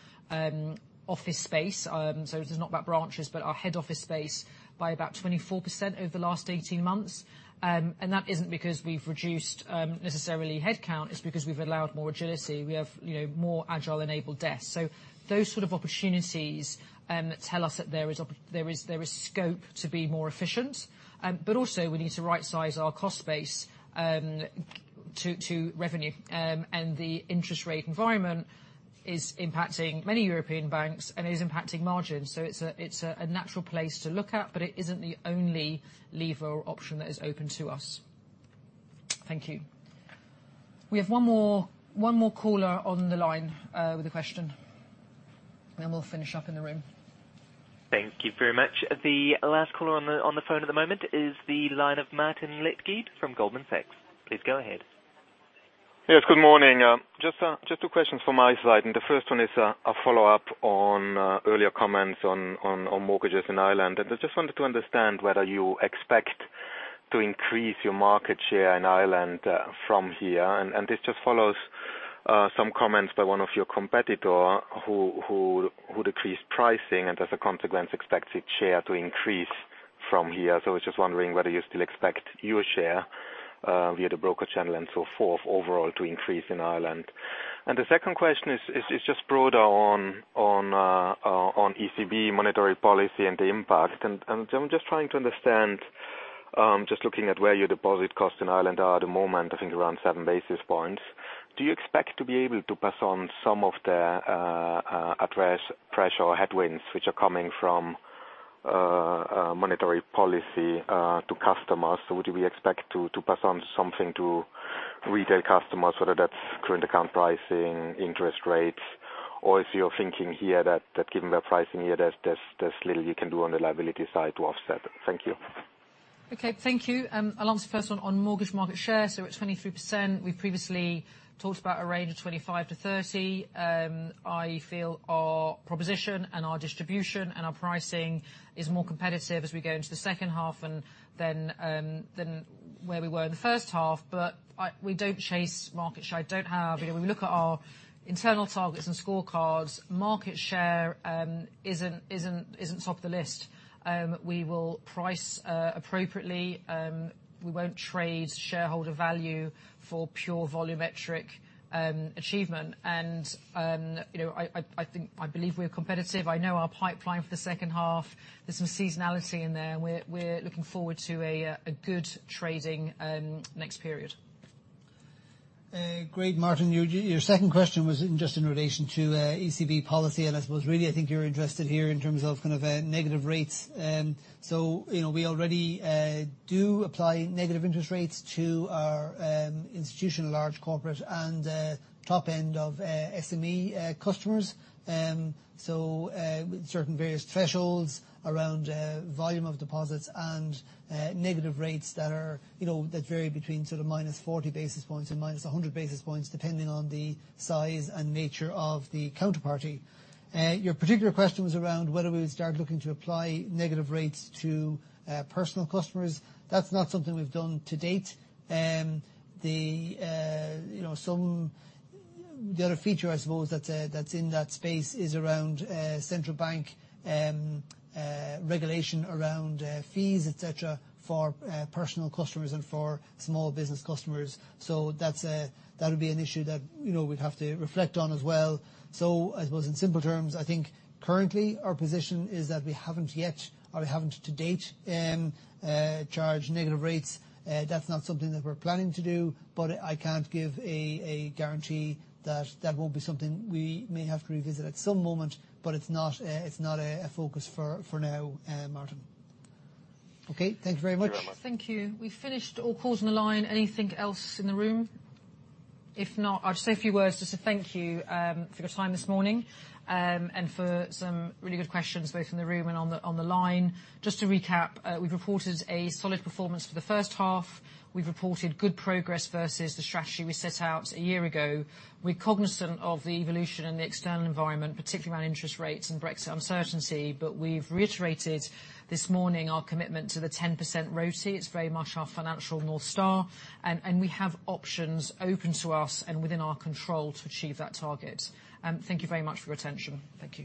office space, so this is not about branches, but our head office space, by about 24% over the last 18 months. That isn't because we've reduced necessarily headcount, it's because we've allowed more agility. We have more agile enabled desks. Those sort of opportunities tell us that there is scope to be more efficient. Also we need to right-size our cost base to revenue. The interest rate environment is impacting many European banks and is impacting margins. It's a natural place to look at, but it isn't the only lever or option that is open to us. Thank you. We have one more caller on the line with a question. We'll finish up in the room. Thank you very much. The last caller on the phone at the moment is the line of Martin Leitgeb from Goldman Sachs. Please go ahead. Yes, good morning. Just two questions from my side, and the first one is a follow-up on earlier comments on mortgages in Ireland. I just wanted to understand whether you expect to increase your market share in Ireland from here. This just follows some comments by one of your competitor who decreased pricing, and as a consequence, expects its share to increase from here. I was just wondering whether you still expect your share, via the broker channel and so forth overall to increase in Ireland. The second question is just broader on ECB monetary policy and the impact. I'm just trying to understand, just looking at where your deposit costs in Ireland are at the moment, I think around seven basis points. Do you expect to be able to pass on some of the adverse pressure or headwinds which are coming from monetary policy to customers? Would we expect to pass on something to retail customers, whether that's current account pricing, interest rates, or if you're thinking here that given the pricing here, there's little you can do on the liability side to offset? Thank you. Okay, thank you. I'll answer the first one on mortgage market share. We're at 23%. We previously talked about a range of 25%-30%. I feel our proposition and our distribution and our pricing is more competitive as we go into the second half than where we were in the first half. We don't chase market share. When we look at our internal targets and scorecards, market share isn't top of the list. We will price appropriately. We won't trade shareholder value for pure volumetric achievement. I believe we're competitive. I know our pipeline for the second half. There's some seasonality in there, and we're looking forward to a good trading next period. Great, Martin. Your second question was just in relation to ECB policy, I suppose really, I think you're interested here in terms of negative rates. We already do apply negative interest rates to our institutional large corporate and top end of SME customers. With certain various thresholds around volume of deposits and negative rates that vary between -40 basis points and -100 basis points, depending on the size and nature of the counterparty. Your particular question was around whether we would start looking to apply negative rates to personal customers. That's not something we've done to date. The other feature, I suppose, that's in that space is around central bank regulation around fees, et cetera, for personal customers and for small business customers. That'll be an issue that we'd have to reflect on as well. I suppose in simple terms, I think currently our position is that we haven't yet, or we haven't to date, charged negative rates. That's not something that we're planning to do, I can't give a guarantee that that won't be something we may have to revisit at some moment. It's not a focus for now, Martin. Okay, thank you very much. Thank you very much. Thank you. We've finished all calls on the line. Anything else in the room? If not, I'll just say a few words just to thank you for your time this morning, and for some really good questions, both in the room and on the line. Just to recap, we've reported a solid performance for the first half. We've reported good progress versus the strategy we set out a year ago. We're cognizant of the evolution in the external environment, particularly around interest rates and Brexit uncertainty, but we've reiterated this morning our commitment to the 10% ROTE. It's very much our financial North Star. We have options open to us and within our control to achieve that target. Thank you very much for your attention. Thank you.